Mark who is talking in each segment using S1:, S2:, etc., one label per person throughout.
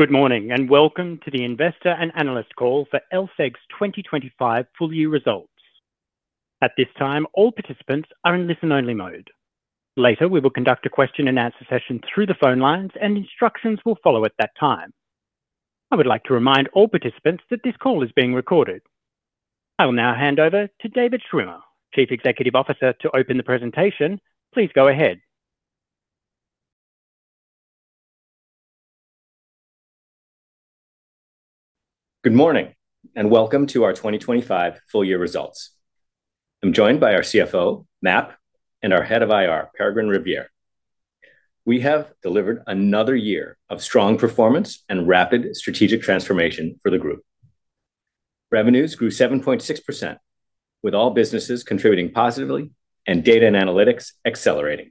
S1: Good morning. Welcome to the Investor and Analyst Call for LSEG's 2025 full year results. At this time, all participants are in listen-only mode. Later, we will conduct a question and answer session through the phone lines. Instructions will follow at that time. I would like to remind all participants that this call is being recorded. I will now hand over to David Schwimmer, Chief Executive Officer, to open the presentation. Please go ahead.
S2: Good morning, Welcome to our 2025 full year results. I'm joined by our Chief Financial Officer, Marc, and our Head of IR, Peregrine Rivière. We have delivered another year of strong performance and rapid strategic transformation for the group. Revenues grew 7.6%, with all businesses contributing positively and data and analytics accelerating.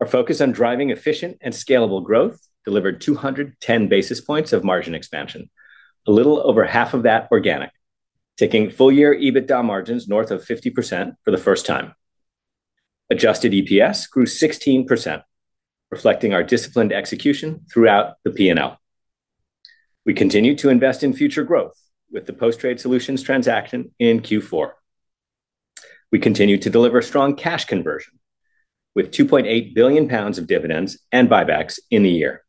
S2: Our focus on driving efficient and scalable growth delivered 210 basis points of margin expansion, a little over half of that organic, taking full-year EBITDA margins north of 50% for the first time. Adjusted EPS grew 16%, reflecting our disciplined execution throughout the P&L. We continued to invest in future growth with the Post Trade Solutions transaction in Q4. We continued to deliver strong cash conversion, with 2.8 billion pounds of dividends and buybacks in the year.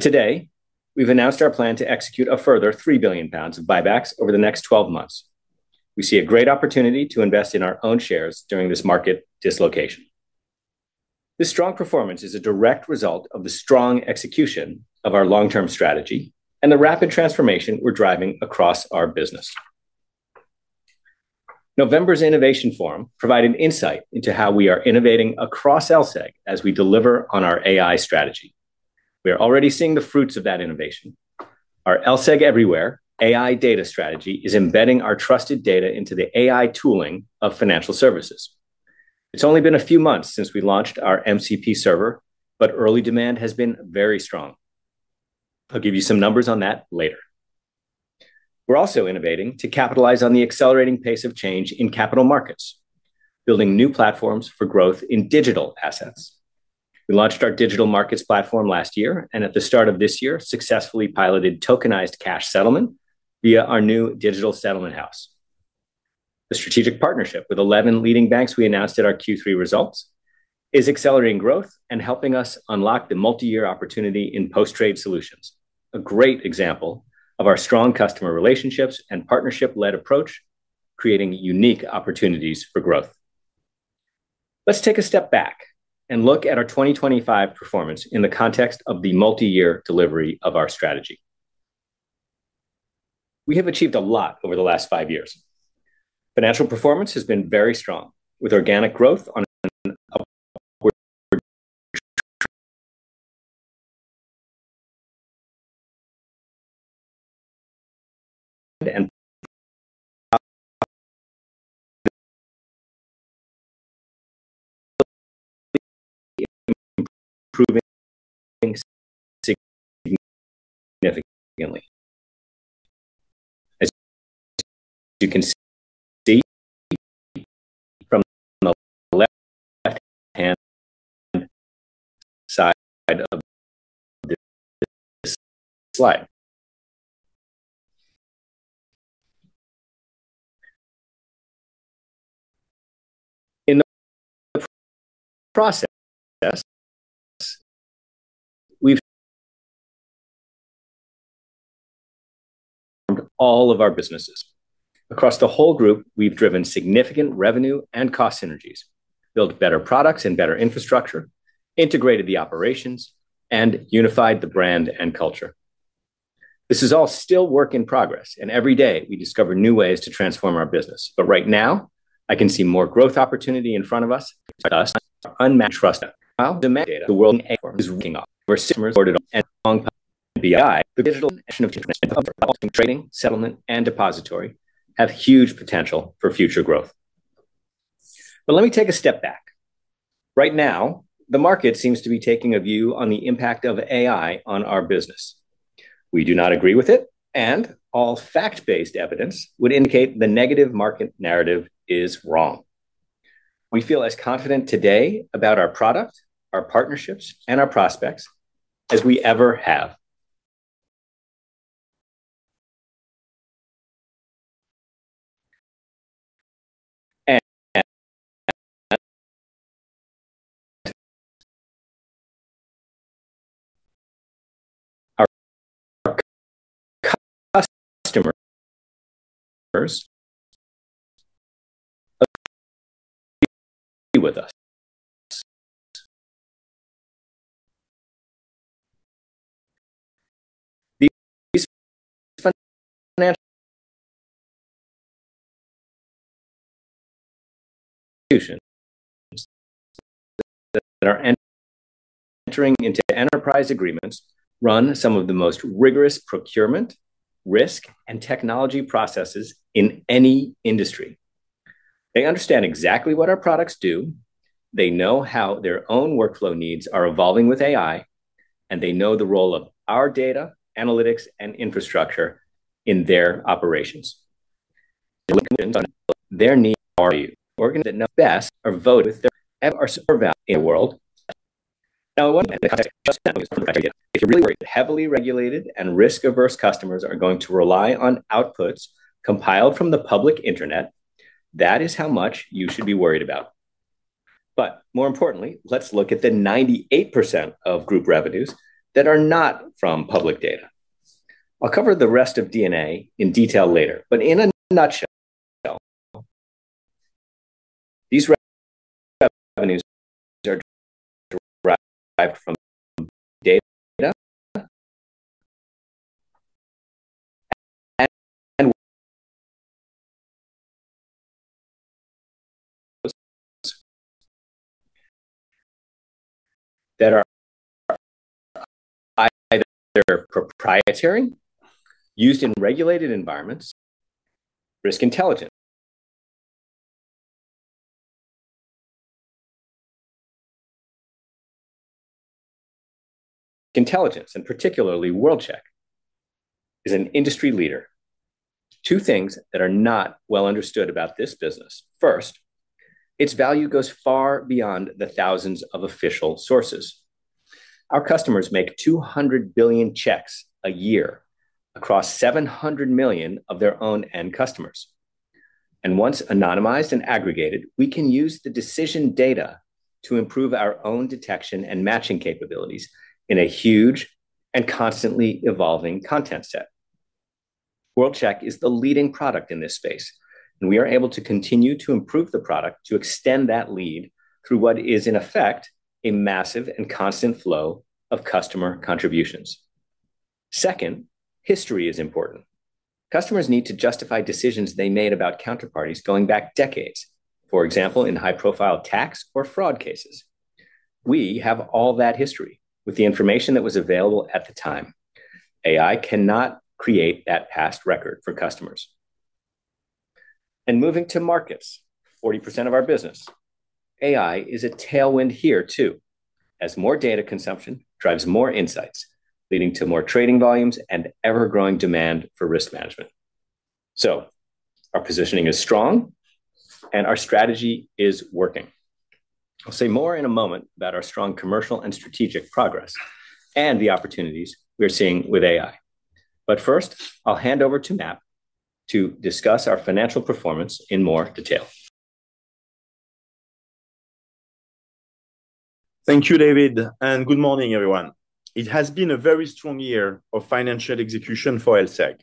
S2: Today, we've announced our plan to execute a further 3 billion pounds of buybacks over the next 12 months. We see a great opportunity to invest in our own shares during this market dislocation. This strong performance is a direct result of the strong execution of our long-term strategy and the rapid transformation we're driving across our business. November's Innovation Forum provided insight into how we are innovating across LSEG as we deliver on our AI strategy. We are already seeing the fruits of that innovation. Our LSEG Everywhere AI data strategy is embedding our trusted data into the AI tooling of financial services. It's only been a few months since we launched our MCP server, but early demand has been very strong. I'll give you some numbers on that later. We're also innovating to capitalize on the accelerating pace of change in capital markets, building new platforms for growth in digital assets. We launched our digital markets platform last year, and at the start of this year, successfully piloted tokenized cash settlement via our new Digital Settlement House. The strategic partnership with 11 leading banks we announced at our Q3 results is accelerating growth and helping us unlock the multi-year opportunity in Post Trade Solutions, a great example of our strong customer relationships and partnership-led approach, creating unique opportunities for growth. Let's take a step back and look at our 2025 performance in the context of the multi-year delivery of our strategy. We have achieved a lot over the last five-years. Financial performance has been very strong, with organic growth and improving significantly. As you can see from the left-hand side of the slide. In the process, we've all of our businesses. Across the whole group, we've driven significant revenue and cost synergies, built better products and better infrastructure, integrated the operations, and unified the brand and culture. This is all still work in progress, and every day we discover new ways to transform our business. Right now, I can see more growth opportunity in front of us, unmatched trust. While the world is working on BI, the digital trading, settlement, and depository have huge potential for future growth. Let me take a step back. Right now, the market seems to be taking a view on the impact of AI on our business. We do not agree with it, and all fact-based evidence would indicate the negative market narrative is wrong. We feel as confident today about our product, our partnerships, and our prospects as we ever have. Entering into enterprise agreements, run some of the most rigorous procurement, risk, and technology processes in any industry. They understand exactly what our products do, they know how their own workflow needs are evolving with AI, and they know the role of our data, analytics, and infrastructure in their operations. Their needs are you. Organizations that know best are voted with their super value in a world. If you're really worried, heavily regulated and risk-averse customers are going to rely on outputs compiled from the public internet, that is how much you should be worried about. More importantly, let's look at the 98% of group revenues that are not from public data. I'll cover the rest of DNA in detail later, but in a nutshell, these revenues are derived from data. That are either proprietary, used in regulated environments, risk intelligence. Intelligence, and particularly World-Check, is an industry leader. Two things that are not well understood about this business. First, its value goes far beyond the thousands of official sources. Our customers make 200 billion checks a year across 700 million of their own end customers. Once anonymized and aggregated, we can use the decision data to improve our own detection and matching capabilities in a huge and constantly evolving content set. World-Check is the leading product in this space, and we are able to continue to improve the product to extend that lead through what is, in effect, a massive and constant flow of customer contributions. Second, history is important. Customers need to justify decisions they made about counterparties going back decades, for example, in high-profile tax or fraud cases. We have all that history with the information that was available at the time. AI cannot create that past record for customers. Moving to markets, 40% of our business. AI is a tailwind here, too, as more data consumption drives more insights, leading to more trading volumes and ever-growing demand for risk management. Our positioning is strong and our strategy is working. I'll say more in a moment about our strong commercial and strategic progress and the opportunities we're seeing with AI. First, I'll hand over to Marc to discuss our financial performance in more detail.
S3: Thank you, David. Good morning, everyone. It has been a very strong year of financial execution for LSEG.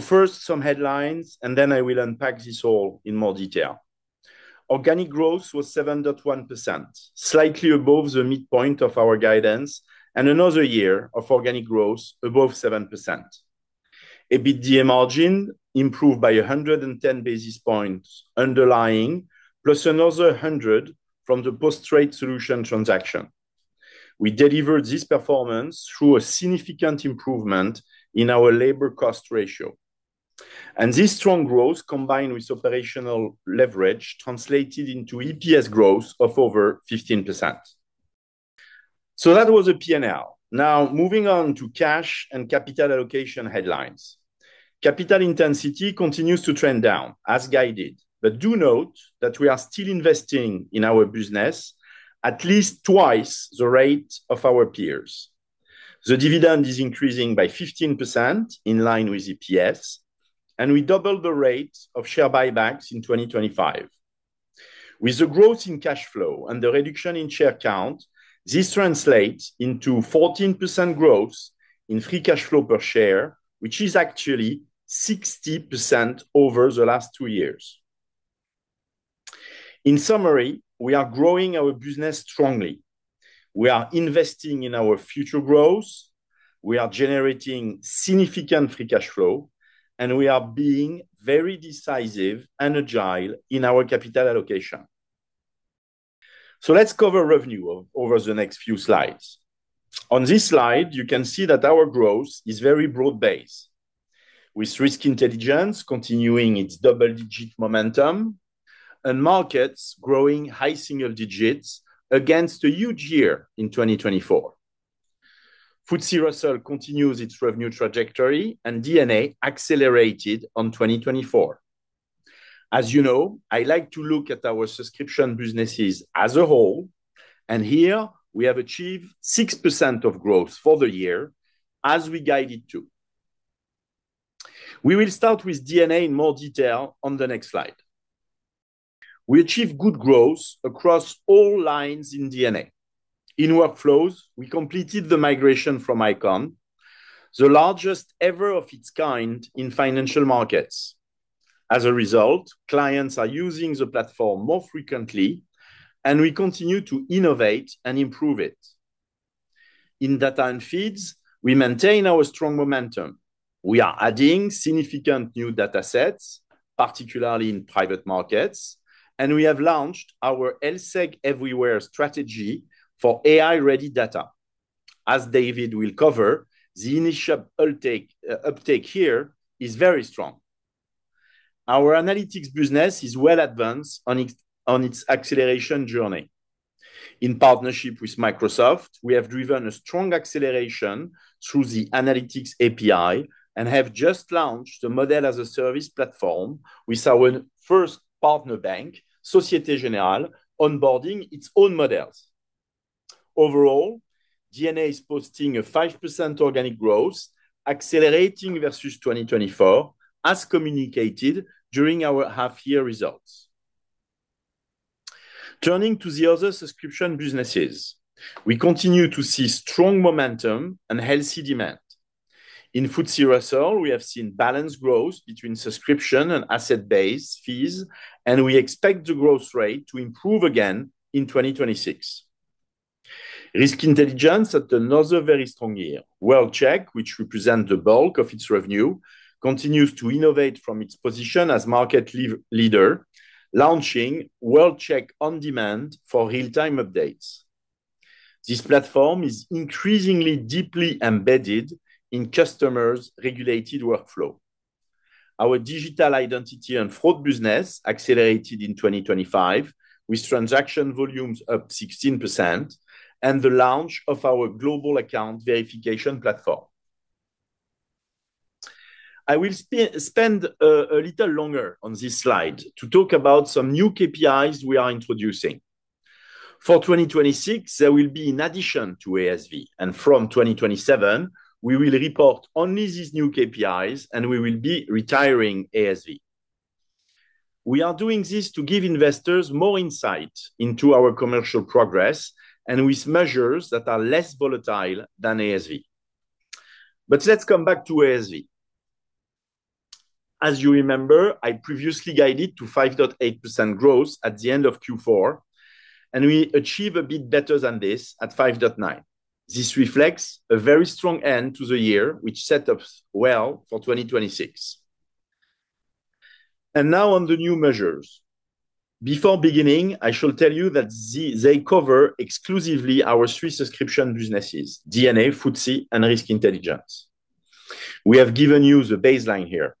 S3: First, some headlines. Then I will unpack this all in more detail. Organic growth was 7.1%, slightly above the midpoint of our guidance. Another year of organic growth above 7%. EBITDA margin improved by 110 basis points underlying, plus another 100 from the Post Trade Solutions transaction. We delivered this performance through a significant improvement in our labor cost ratio. This strong growth, combined with operational leverage, translated into EPS growth of over 15%. That was a P&L. Now, moving on to cash and capital allocation headlines. Capital intensity continues to trend down as guided. Do note that we are still investing in our business at least twice the rate of our peers. The dividend is increasing by 15%, in line with EPS, and we double the rate of share buybacks in 2025. With the growth in cash flow and the reduction in share count, this translates into 14% growth in free cash flow per share, which is actually 60% over the last two-years. In summary, we are growing our business strongly. We are investing in our future growth, we are generating significant free cash flow, and we are being very decisive and agile in our capital allocation. Let's cover revenue over the next few slides. On this slide, you can see that our growth is very broad-based, with risk intelligence continuing its double-digit momentum and markets growing high single digits against a huge year in 2024. FTSE Russell continues its revenue trajectory, DNA accelerated on 2024. As you know, I like to look at our subscription businesses as a whole. Here we have achieved 6% of growth for the year as we guided to. We will start with DNA in more detail on the next slide. We achieved good growth across all lines in DNA. In workflows, we completed the migration from Eikon, the largest ever of its kind in financial markets. As a result, clients are using the platform more frequently, and we continue to innovate and improve it. In data and feeds, we maintain our strong momentum. We are adding significant new datasets, particularly in private markets, and we have launched our LSEG Everywhere strategy for AI-ready data. As David will cover, the initial uptake here is very strong. Our analytics business is well advanced on its acceleration journey. In partnership with Microsoft, we have driven a strong acceleration through the analytics API, and have just launched a Model-as-a-Service platform with our first partner bank, Société Générale, onboarding its own models. Overall, DNA is posting a 5% organic growth, accelerating versus 2024, as communicated during our half-year results. Turning to the other subscription businesses, we continue to see strong momentum and healthy demand. In FTSE Russell, we have seen balanced growth between subscription and asset base fees, and we expect the growth rate to improve again in 2026. Risk intelligence had another very strong year. World-Check, which represents the bulk of its revenue, continues to innovate from its position as market leader, launching World-Check On Demand for real-time updates. This platform is increasingly deeply embedded in customers' regulated workflow. Our digital identity and fraud business accelerated in 2025, with transaction volumes up 16%, and the launch of our global account verification platform. I will spend a little longer on this slide to talk about some new KPIs we are introducing. For 2026, there will be in addition to ASV, and from 2027, we will report only these new KPIs, and we will be retiring ASV. We are doing this to give investors more insight into our commercial progress, and with measures that are less volatile than ASV. Let's come back to ASV. As you remember, I previously guided to 5.8% growth at the end of Q4, and we achieve a bit better than this at 5.9%. This reflects a very strong end to the year, which set up well for 2026. Now on the new measures. Before beginning, I shall tell you that they cover exclusively our three subscription businesses, DNA, FTSE, and Risk Intelligence. We have given you the baseline here.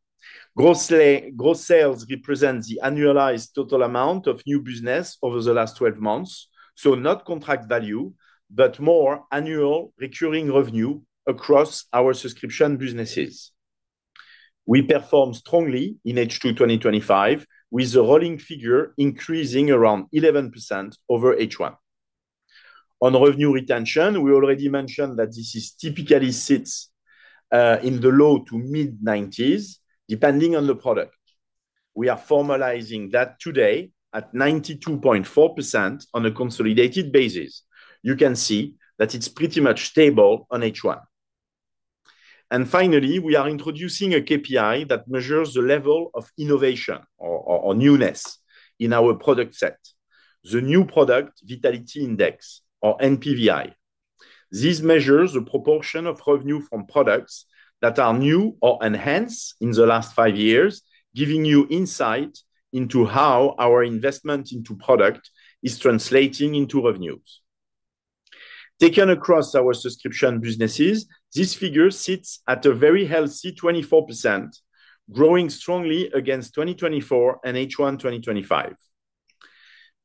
S3: Gross sales represent the annualized total amount of new business over the last 12 months, so not contract value, but more annual recurring revenue across our subscription businesses. We performed strongly in H2 2025, with the rolling figure increasing around 11% over H1. On revenue retention, we already mentioned that this typically sits in the low to mid-90s, depending on the product. We are formalizing that today at 92.4% on a consolidated basis. You can see that it's pretty much stable on H1. Finally, we are introducing a KPI that measures the level of innovation or newness in our product set, the new product vitality index or NPVI. This measures the proportion of revenue from products that are new or enhanced in the last five-years, giving you insight into how our investment into product is translating into revenues. Taken across our subscription businesses, this figure sits at a very healthy 24%, growing strongly against 2024 and H1 2025.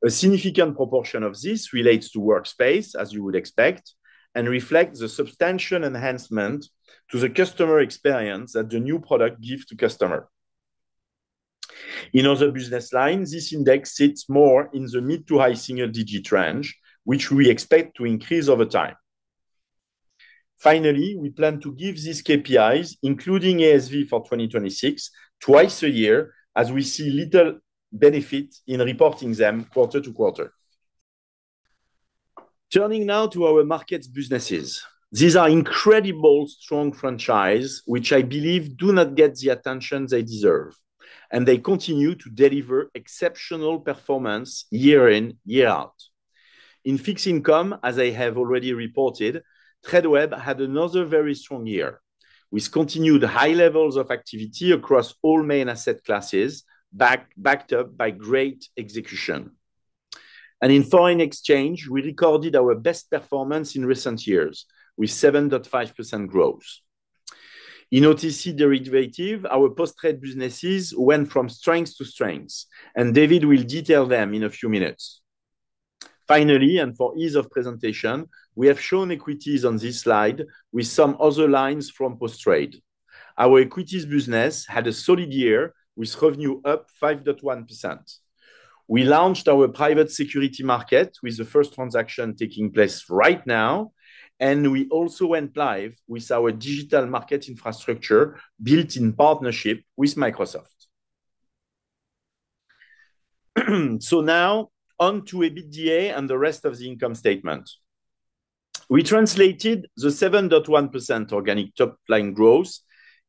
S3: A significant proportion of this relates to Workspace, as you would expect, and reflects the substantial enhancement to the customer experience that the new product give to customer. In other business lines, this index sits more in the mid to high single-digit range, which we expect to increase over time. We plan to give these KPIs, including ASV for 2026, twice a year, as we see little benefit in reporting them quarter to quarter. Turning now to our markets businesses. These are incredible, strong franchise, which I believe do not get the attention they deserve, and they continue to deliver exceptional performance year in, year out. In fixed income, as I have already reported, Tradeweb had another very strong year, with continued high levels of activity across all main asset classes, backed up by great execution. In foreign exchange, we recorded our best performance in recent years, with 7.5% growth. In OTC derivative, our post-trade businesses went from strength to strength, and David will detail them in a few minutes. For ease of presentation, we have shown equities on this slide with some other lines from post-trade. Our equities business had a solid year, with revenue up 5.1%. We launched our Private Securities Market, with the first transaction taking place right now, and we also went live with our digital market infrastructure, built in partnership with Microsoft. Now, on to EBITDA and the rest of the income statement. We translated the 7.1% organic top-line growth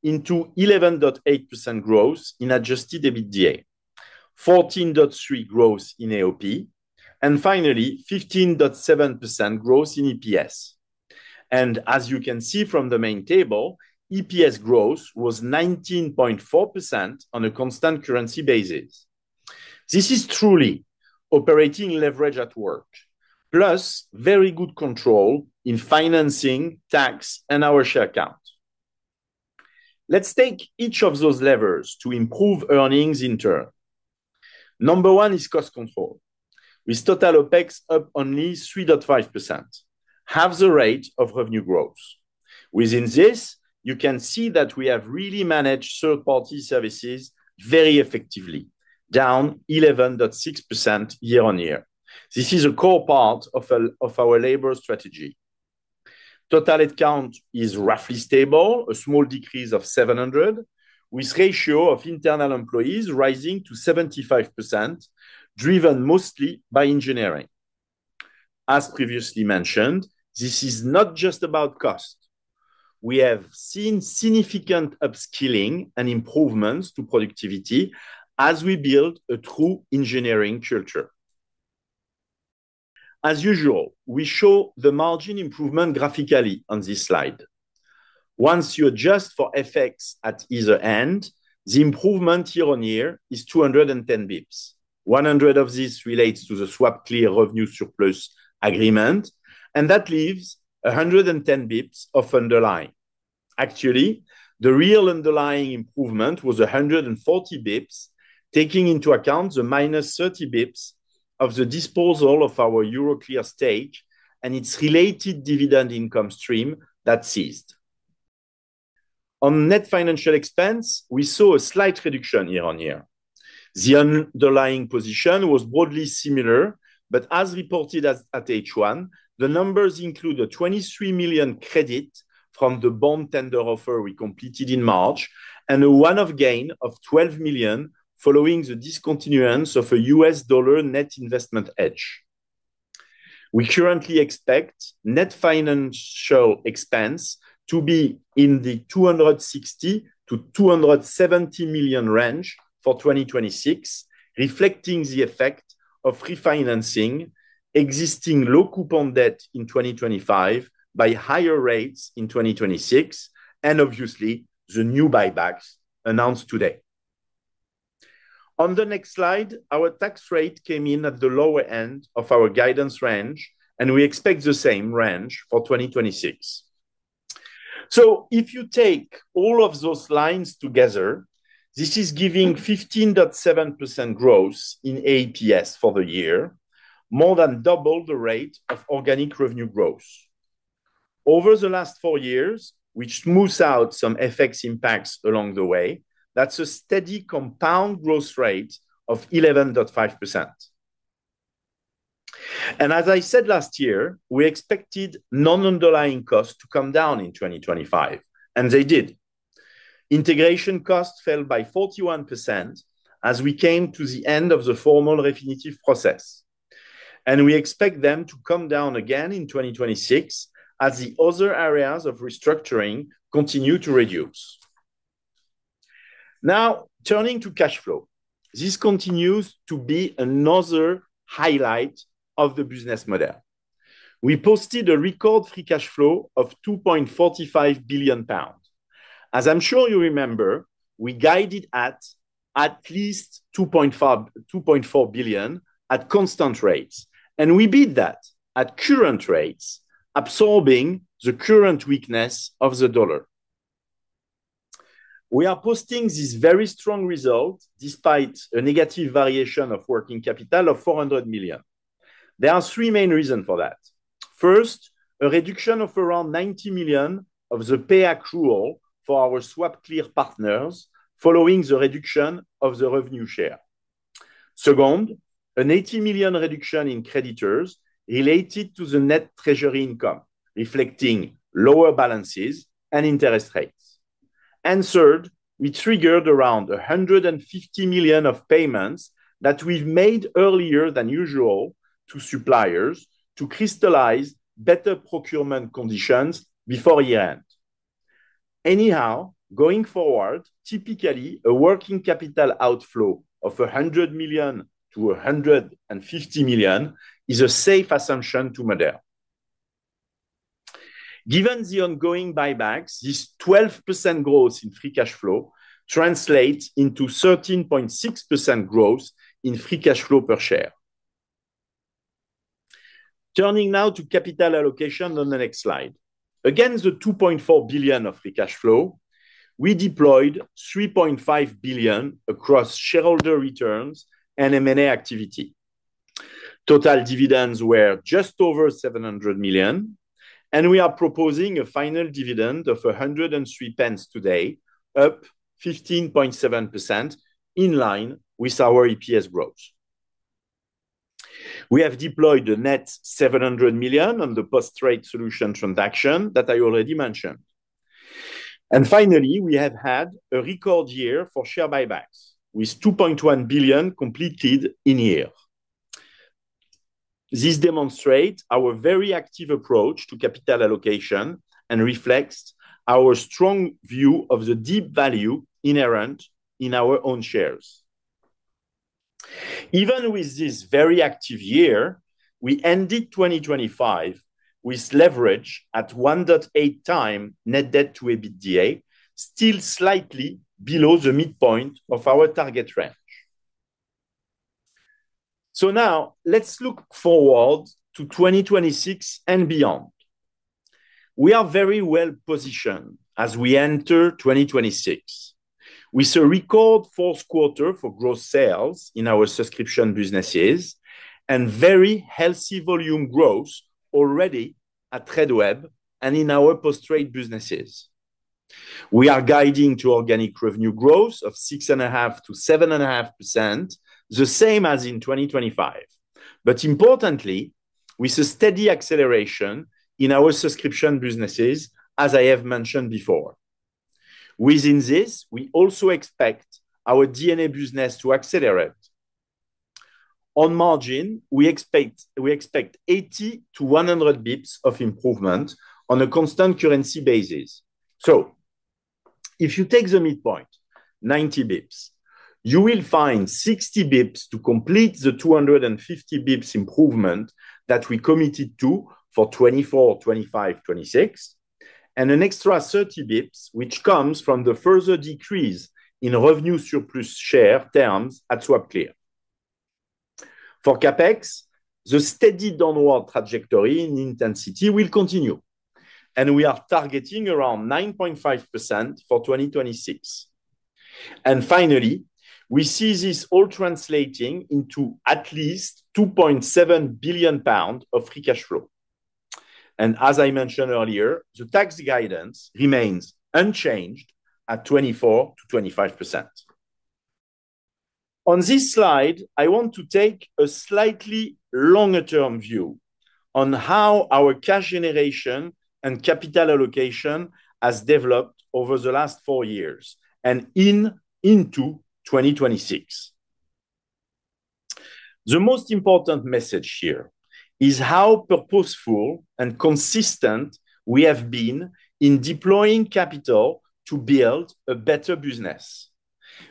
S3: into 11.8% growth in adjusted EBITDA, 14.3% growth in AOP, and finally, 15.7% growth in EPS. As you can see from the main table, EPS growth was 19.4% on a constant currency basis. This is truly operating leverage at work, plus very good control in financing, tax, and our share count. Let's take each of those levers to improve earnings in turn. Number one is cost control. With total OpEx up only 3.5%, half the rate of revenue growth. Within this, you can see that we have really managed third-party services very effectively, down 11.6% year-on-year. This is a core part of our labor strategy. Total headcount is roughly stable, a small decrease of 700, with ratio of internal employees rising to 75%, driven mostly by engineering. Previously mentioned, this is not just about cost. We have seen significant upskilling and improvements to productivity as we build a true engineering culture. Usually, we show the margin improvement graphically on this slide. Once you adjust for effects at either end, the improvement year-on-year is 210 basis points. 100 of this relates to the SwapClear revenue surplus agreement, that leaves 110 basis points of underlying. Actually, the real underlying improvement was 140 basis points, taking into account the -30 basis points of the disposal of our Euroclear stake and its related dividend income stream that ceased. On net financial expense, we saw a slight reduction year-on-year. The underlying position was broadly similar, but as reported at H1, the numbers include a 23 million credit from the bond tender offer we completed in March, and a one-off gain of 12 million following the discontinuance of a US dollar net investment edge. We currently expect net financial expense to be in the 260 million-270 million range for 2026, reflecting the effect of refinancing existing low coupon debt in 2025 by higher rates in 2026, and obviously, the new buybacks announced today. On the next slide, our tax rate came in at the lower end of our guidance range, and we expect the same range for 2026. If you take all of those lines together, this is giving 15.7% growth in APS for the year, more than double the rate of organic revenue growth. Over the last four-years, which smooths out some effects impacts along the way, that's a steady compound growth rate of 11.5%. As I said, last year, we expected non-underlying costs to come down in 2025, and they did. Integration costs fell by 41% as we came to the end of the formal Refinitiv process, and we expect them to come down again in 2026 as the other areas of restructuring continue to reduce. Turning to cash flow. This continues to be another highlight of the business model. We posted a record free cash flow of 2.45 billion pounds. As I'm sure you remember, we guided at least 2.4 billion at constant rates, and we beat that at current rates, absorbing the current weakness of the dollar. We are posting this very strong result despite a negative variation of working capital of 400 million. There are three main reasons for that. First, a reduction of around 90 million of the pay accrual for our SwapClear partners following the reduction of the revenue share. Second, an 80 million reduction in creditors related to the net treasury income, reflecting lower balances and interest rates. Third, we triggered around 150 million of payments that we've made earlier than usual to suppliers to crystallize better procurement conditions before year-end. Anyhow, going forward, typically, a working capital outflow of 100 million-150 million is a safe assumption to model. Given the ongoing buybacks, this 12% growth in free cash flow translates into 13.6% growth in free cash flow per share. Turning now to capital allocation on the next slide. Against the 2.4 billion of free cash flow, we deployed 3.5 billion across shareholder returns and M&A activity. Total dividends were just over 700 million, and we are proposing a final dividend of 1.03 today, up 15.7%, in line with our EPS growth. We have deployed a net 700 million on the Post Trade Solutions transaction that I already mentioned. Finally, we have had a record year for share buybacks, with 2.1 billion completed in a year. This demonstrates our very active approach to capital allocation and reflects our strong view of the deep value inherent in our own shares. Even with this very active year, we ended 2025 with leverage at 1.8 times net debt to EBITDA, still slightly below the midpoint of our target range. Now let's look forward to 2026 and beyond. We are very well positioned as we enter 2026, with a record fourth quarter for gross sales in our subscription businesses, and very healthy volume growth already at Tradeweb and in our post-trade businesses. We are guiding to organic revenue growth of 6.5%-7.5%, the same as in 2025. Importantly, with a steady acceleration in our subscription businesses, as I have mentioned before. Within this, we also expect our DNA business to accelerate. On margin, we expect 80-100 basis points of improvement on a constant currency basis. If you take the midpoint, 90 basis points, you will find 60 basis points to complete the 250 basis points improvement that we committed to for 2024, 2025, 2026, and an extra 30 basis points, which comes from the further decrease in revenue surplus share terms at SwapClear. For CapEx, the steady downward trajectory in intensity will continue, and we are targeting around 9.5% for 2026. Finally, we see this all translating into at least 2.7 billion pounds of free cash flow. As I mentioned earlier, the tax guidance remains unchanged at 24%-25%. On this slide, I want to take a slightly longer-term view on how our cash generation and capital allocation has developed over the last four-years into 2026. The most important message here is how purposeful and consistent we have been in deploying capital to build a better business.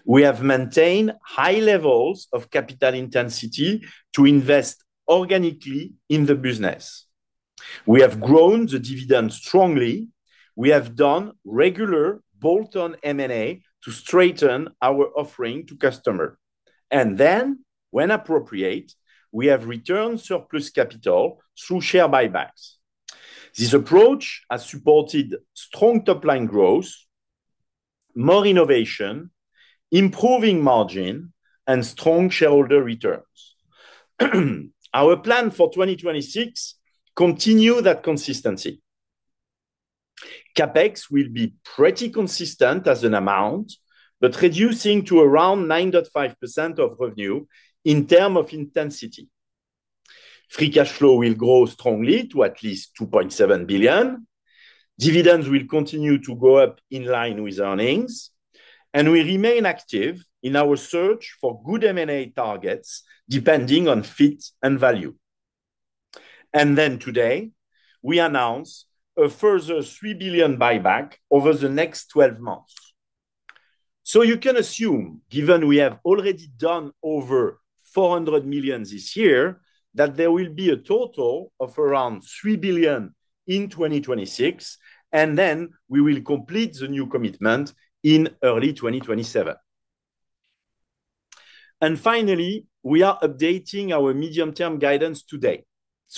S3: We have maintained high levels of capital intensity to invest organically in the business. We have grown the dividend strongly. We have done regular bolt-on M&A to strengthen our offering to customer, and then, when appropriate, we have returned surplus capital through share buybacks. This approach has supported strong top-line growth, more innovation, improving margin, and strong shareholder returns. Our plan for 2026 continue that consistency. CapEx will be pretty consistent as an amount, but reducing to around 9.5% of revenue in term of intensity. Free cash flow will grow strongly to at least 2.7 billion. Dividends will continue to go up in line with earnings, and we remain active in our search for good M&A targets, depending on fit and value. Today, we announce a further 3 billion buyback over the next 12 months. You can assume, given we have already done over 400 million this year, that there will be a total of around 3 billion in 2026, and then we will complete the new commitment in early 2027. Finally, we are updating our medium-term guidance today.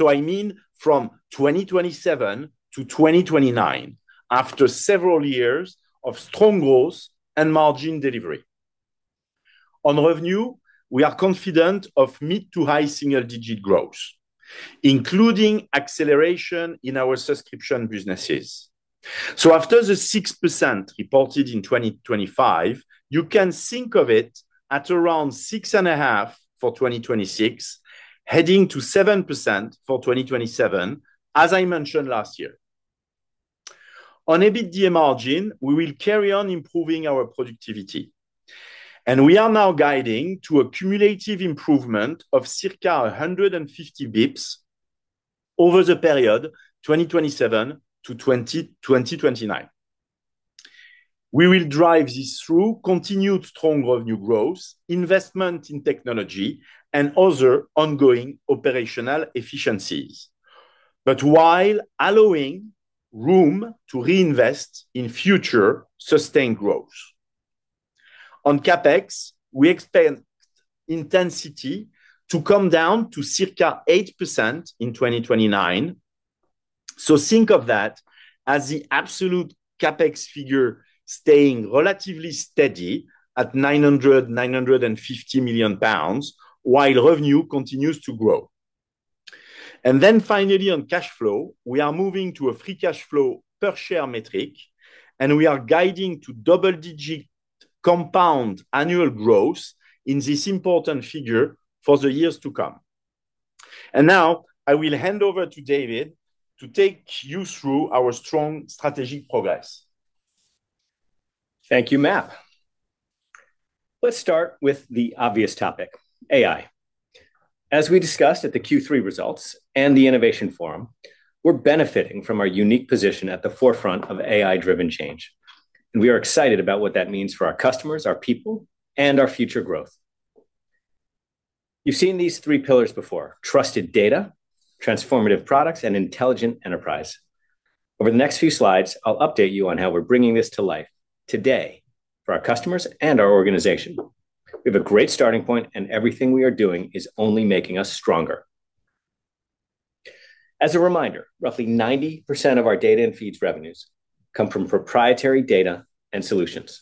S3: I mean, from 2027 to 2029, after several years of strong growth and margin delivery. On revenue, we are confident of mid to high single-digit growth, including acceleration in our subscription businesses. After the 6% reported in 2025, you can think of it at around 6.5% for 2026, heading to 7% for 2027, as I mentioned last year. On EBITDA margin, we will carry on improving our productivity, and we are now guiding to a cumulative improvement of circa 150 basis points over the period 2027 to 2029. We will drive this through continued strong revenue growth, investment in technology, and other ongoing operational efficiencies. While allowing room to reinvest in future sustained growth. On CapEx, we expect intensity to come down to circa 8% in 2029. Think of that as the absolute CapEx figure staying relatively steady at 900 million-950 million pounds, while revenue continues to grow. Finally, on cash flow, we are moving to a free cash flow per share metric, and we are guiding to double-digit compound annual growth in this important figure for the years to come. Now I will hand over to David to take you through our strong strategic progress.
S2: Thank you, Marc. Let's start with the obvious topic, AI. As we discussed at the Q3 results and the Innovation Forum, we're benefiting from our unique position at the forefront of AI-driven change, and we are excited about what that means for our customers, our people, and our future growth. You've seen these three pillars before: trusted data, transformative products, and intelligent enterprise. Over the next few slides, I'll update you on how we're bringing this to life today for our customers and our organization. We have a great starting point, and everything we are doing is only making us stronger. As a reminder, roughly 90% of our data and feeds revenues come from proprietary data and solutions.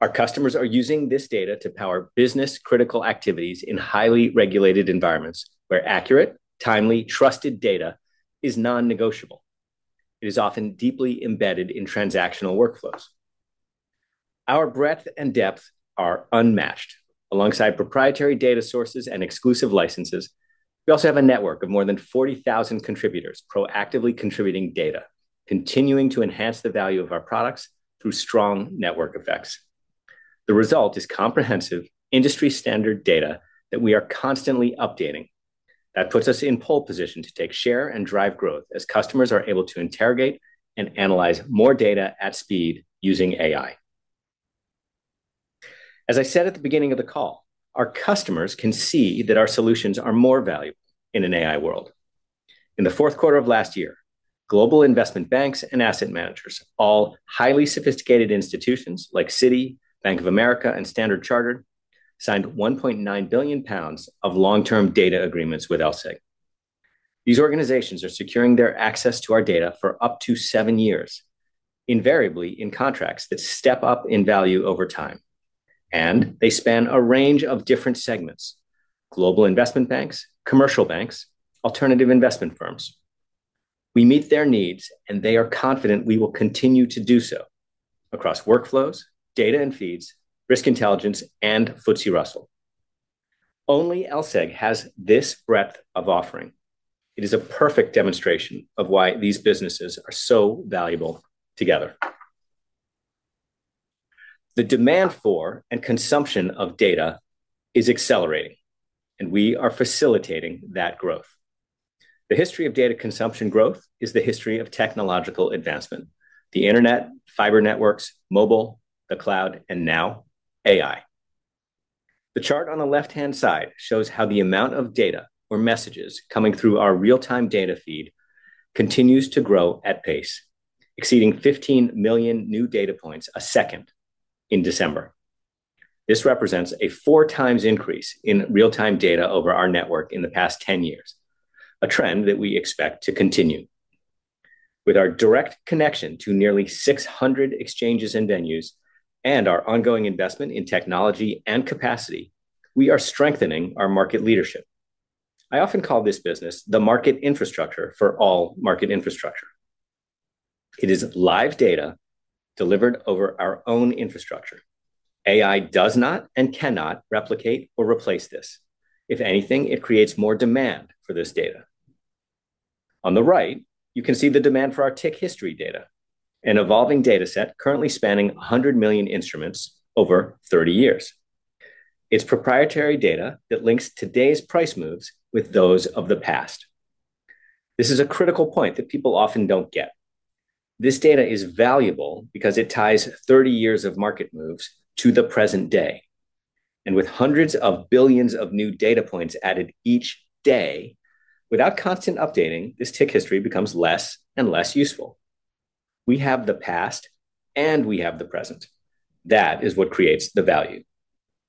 S2: Our customers are using this data to power business-critical activities in highly regulated environments, where accurate, timely, trusted data is non-negotiable. It is often deeply embedded in transactional workflows. Our breadth and depth are unmatched. Alongside proprietary data sources and exclusive licenses, we also have a network of more than 40,000 contributors proactively contributing data, continuing to enhance the value of our products through strong network effects. The result is comprehensive industry-standard data that we are constantly updating. That puts us in pole position to take share and drive growth as customers are able to interrogate and analyze more data at speed using AI. As I said at the beginning of the call, our customers can see that our solutions are more valuable in an AI world. In the fourth quarter of last year, global investment banks and asset managers, all highly sophisticated institutions like Citi, Bank of America, and Standard Chartered, signed 1.9 billion pounds of long-term data agreements with LSEG. These organizations are securing their access to our data for up to seven-years, invariably in contracts that step up in value over time. They span a range of different segments: global investment banks, commercial banks, alternative investment firms. We meet their needs, and they are confident we will continue to do so across workflows, data and feeds, risk intelligence, and FTSE Russell. Only LSEG has this breadth of offering. It is a perfect demonstration of why these businesses are so valuable together. The demand for and consumption of data is accelerating, and we are facilitating that growth. The history of data consumption growth is the history of technological advancement: the internet, fiber networks, mobile, the cloud, and now AI. The chart on the left-hand side shows how the amount of data or messages coming through our real-time data feed continues to grow at pace, exceeding 15 million new data points a second in December. This represents a four times increase in real-time data over our network in the past 10 years, a trend that we expect to continue. With our direct connection to nearly 600 exchanges and venues and our ongoing investment in technology and capacity, we are strengthening our market leadership. I often call this business the market infrastructure for all market infrastructure. It is live data delivered over our own infrastructure. AI does not and cannot replicate or replace this. If anything, it creates more demand for this data. On the right, you can see the demand for our Tick History data, an evolving data set currently spanning 100 million instruments over 30 years. It's proprietary data that links today's price moves with those of the past. This is a critical point that people often don't get. This data is valuable because it ties 30 years of market moves to the present day, and with hundreds of billions of new data points added each day, without constant updating, this Tick History becomes less and less useful. We have the past, and we have the present. That is what creates the value.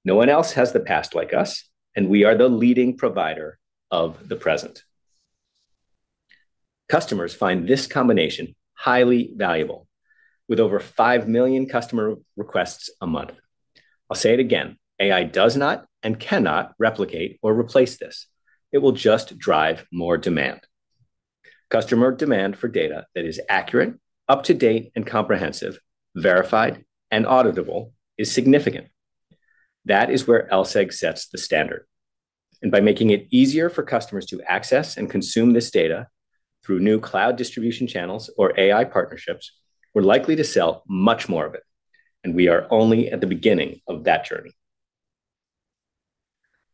S2: No one else has the past like us, and we are the leading provider of the present. Customers find this combination highly valuable, with over 5 million customer requests a month. I'll say it again: AI does not and cannot replicate or replace this. It will just drive more demand. Customer demand for data that is accurate, up-to-date and comprehensive, verified, and auditable is significant. That is where LSEG sets the standard. By making it easier for customers to access and consume this data through new cloud distribution channels or AI partnerships, we're likely to sell much more of it. We are only at the beginning of that journey.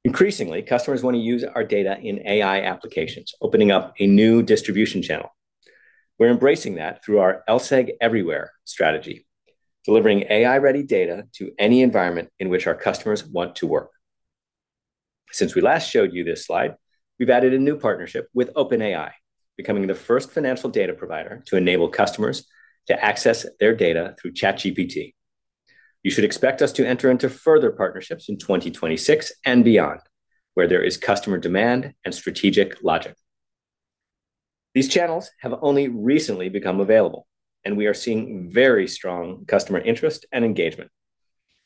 S2: Increasingly, customers want to use our data in AI applications, opening up a new distribution channel. We're embracing that through our LSEG Everywhere strategy, delivering AI-ready data to any environment in which our customers want to work. Since we last showed you this slide, we've added a new partnership with OpenAI, becoming the first financial data provider to enable customers to access their data through ChatGPT. You should expect us to enter into further partnerships in 2026 and beyond, where there is customer demand and strategic logic. These channels have only recently become available. We are seeing very strong customer interest and engagement.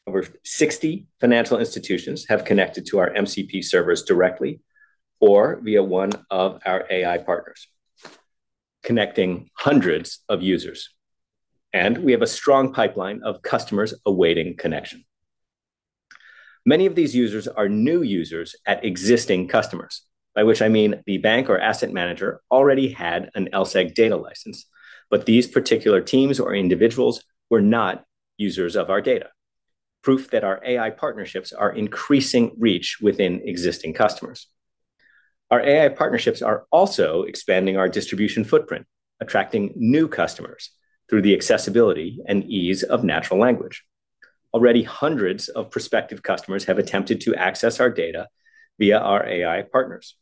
S2: Over 60 financial institutions have connected to our MCP servers directly or via one of our AI partners, connecting hundreds of users, and we have a strong pipeline of customers awaiting connection. Many of these users are new users at existing customers, by which I mean the bank or asset manager already had an LSEG data license, but these particular teams or individuals were not users of our data. Proof that our AI partnerships are increasing reach within existing customers. Our AI partnerships are also expanding our distribution footprint, attracting new customers through the accessibility and ease of natural language. Already hundreds of prospective customers have attempted to access our data via our AI partners.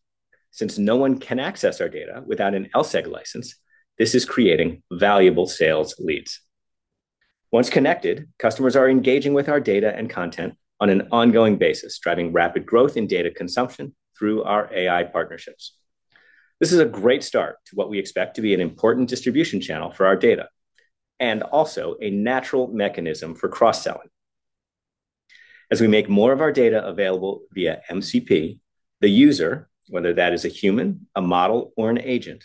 S2: Since no one can access our data without an LSEG license, this is creating valuable sales leads. Once connected, customers are engaging with our data and content on an ongoing basis, driving rapid growth in data consumption through our AI partnerships. This is a great start to what we expect to be an important distribution channel for our data, and also a natural mechanism for cross-selling. As we make more of our data available via MCP, the user, whether that is a human, a model, or an agent,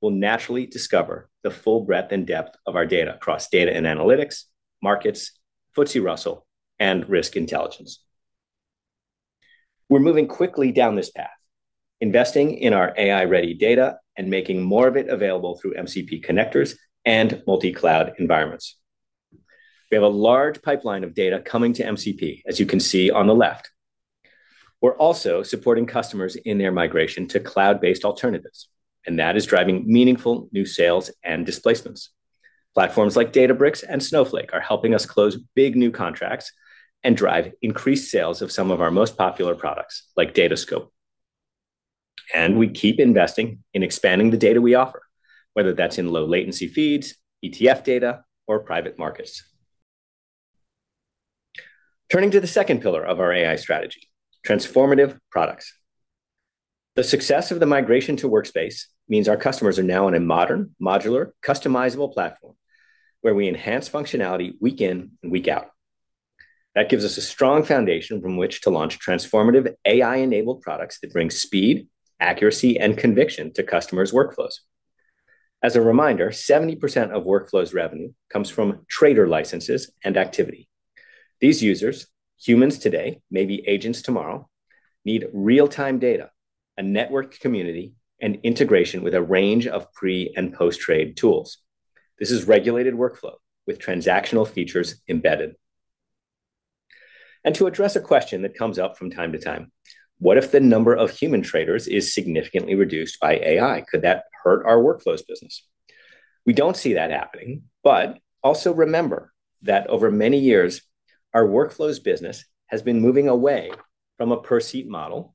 S2: will naturally discover the full breadth and depth of our data across data and analytics, markets, FTSE Russell, and risk intelligence. We're moving quickly down this path, investing in our AI-ready data and making more of it available through MCP connectors and multi-cloud environments. We have a large pipeline of data coming to MCP, as you can see on the left. We're also supporting customers in their migration to cloud-based alternatives. That is driving meaningful new sales and displacements. Platforms like Databricks and Snowflake are helping us close big new contracts and drive increased sales of some of our most popular products, like DataScope. We keep investing in expanding the data we offer, whether that's in low-latency feeds, ETF data, or private markets. Turning to the second pillar of our AI strategy: transformative products. The success of the migration to Workspace means our customers are now on a modern, modular, customizable platform, where we enhance functionality week in and week out. That gives us a strong foundation from which to launch transformative AI-enabled products that bring speed, accuracy, and conviction to customers' workflows. As a reminder, 70% of Workspace's revenue comes from trader licenses and activity. These users, humans today, maybe agents tomorrow, need real-time data, a network community, and integration with a range of pre- and post-trade tools. This is regulated workflow with transactional features embedded. To address a question that comes up from time to time: What if the number of human traders is significantly reduced by AI? Could that hurt our Workflows business? We don't see that happening, but also remember that over many years, our Workflows business has been moving away from a per-seat model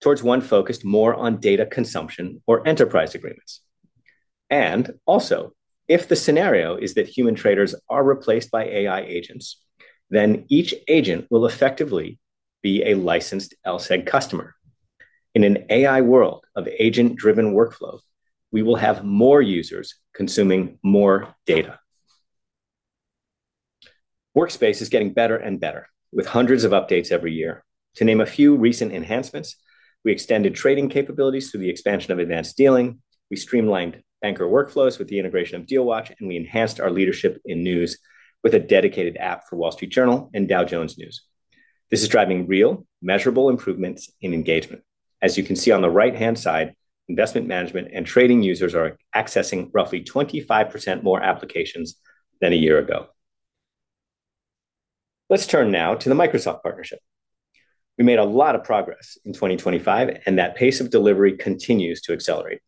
S2: towards one focused more on data consumption or enterprise agreements. Also, if the scenario is that human traders are replaced by AI agents, then each agent will effectively be a licensed LSEG customer. In an AI world of agent-driven workflow, we will have more users consuming more data. Workspace is getting better and better, with hundreds of updates every year. To name a few recent enhancements, we extended trading capabilities through the expansion of Advanced Dealing, we streamlined banker workflows with the integration of DealWatch, we enhanced our leadership in news with a dedicated app for Wall Street Journal and Dow Jones news. This is driving real, measurable improvements in engagement. As you can see on the right-hand side, investment management and trading users are accessing roughly 25% more applications than a year ago. Let's turn now to the Microsoft partnership. We made a lot of progress in 2025, that pace of delivery continues to accelerate.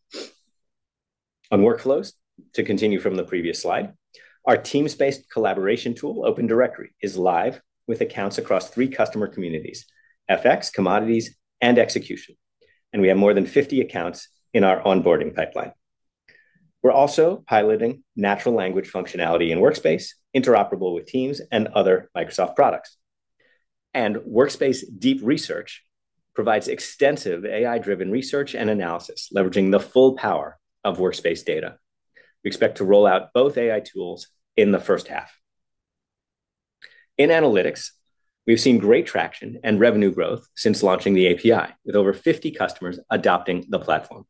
S2: On Workflows, to continue from the previous slide, our teams-based collaboration tool, Open Directory, is live with accounts across three customer communities: FX, commodities, and execution, we have more than 50 accounts in our onboarding pipeline. We're also piloting natural language functionality in Workspace, interoperable with Teams and other Microsoft products. Workspace Deep Research provides extensive AI-driven research and analysis, leveraging the full power of Workspace data. We expect to roll out both AI tools in the first half. In analytics, we've seen great traction and revenue growth since launching the API, with over 50 customers adopting the platform.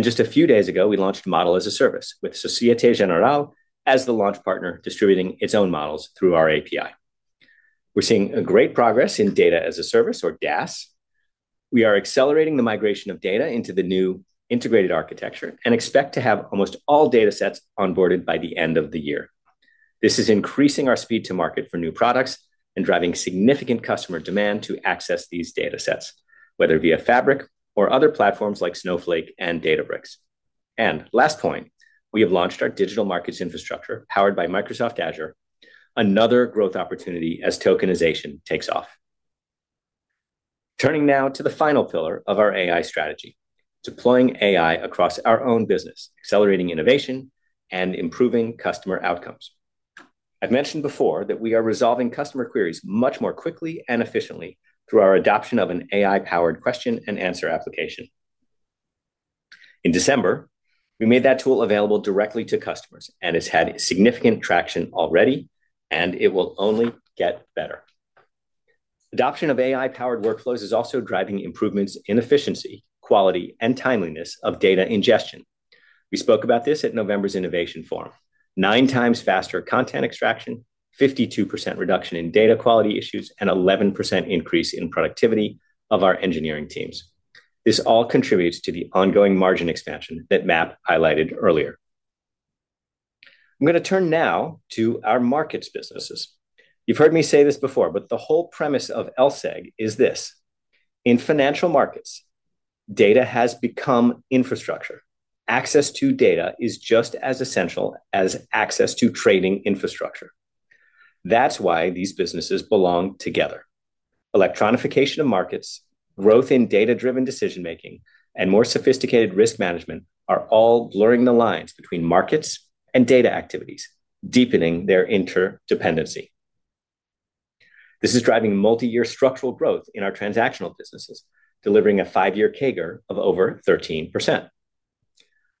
S2: Just a few days ago, we launched Model-as-a-Service, with Société Générale as the launch partner, distributing its own models through our API. We're seeing great progress in Data as a Service, or DaaS. We are accelerating the migration of data into the new integrated architecture and expect to have almost all datasets onboarded by the end of the year. This is increasing our speed to market for new products and driving significant customer demand to access these datasets, whether via Fabric or other platforms like Snowflake and Databricks. Last point, we have launched our digital markets infrastructure, powered by Microsoft Azure, another growth opportunity as tokenization takes off. Turning now to the final pillar of our AI strategy, deploying AI across our own business, accelerating innovation and improving customer outcomes. I've mentioned before that we are resolving customer queries much more quickly and efficiently through our adoption of an AI-powered question-and-answer application. In December, we made that tool available directly to customers, and it's had significant traction already, and it will only get better. Adoption of AI-powered workflows is also driving improvements in efficiency, quality, and timeliness of data ingestion. We spoke about this at November's Innovation Forum: nine times faster content extraction, 52% reduction in data quality issues, and 11% increase in productivity of our engineering teams. This all contributes to the ongoing margin expansion that Marc highlighted earlier. I'm gonna turn now to our markets businesses. You've heard me say this before, the whole premise of LSEG is this: in financial markets. Data has become infrastructure. Access to data is just as essential as access to trading infrastructure. That's why these businesses belong together. Electronification of markets, growth in data-driven decision-making, and more sophisticated risk management are all blurring the lines between markets and data activities, deepening their interdependency. This is driving multi-year structural growth in our transactional businesses, delivering a five-year CAGR of over 13%.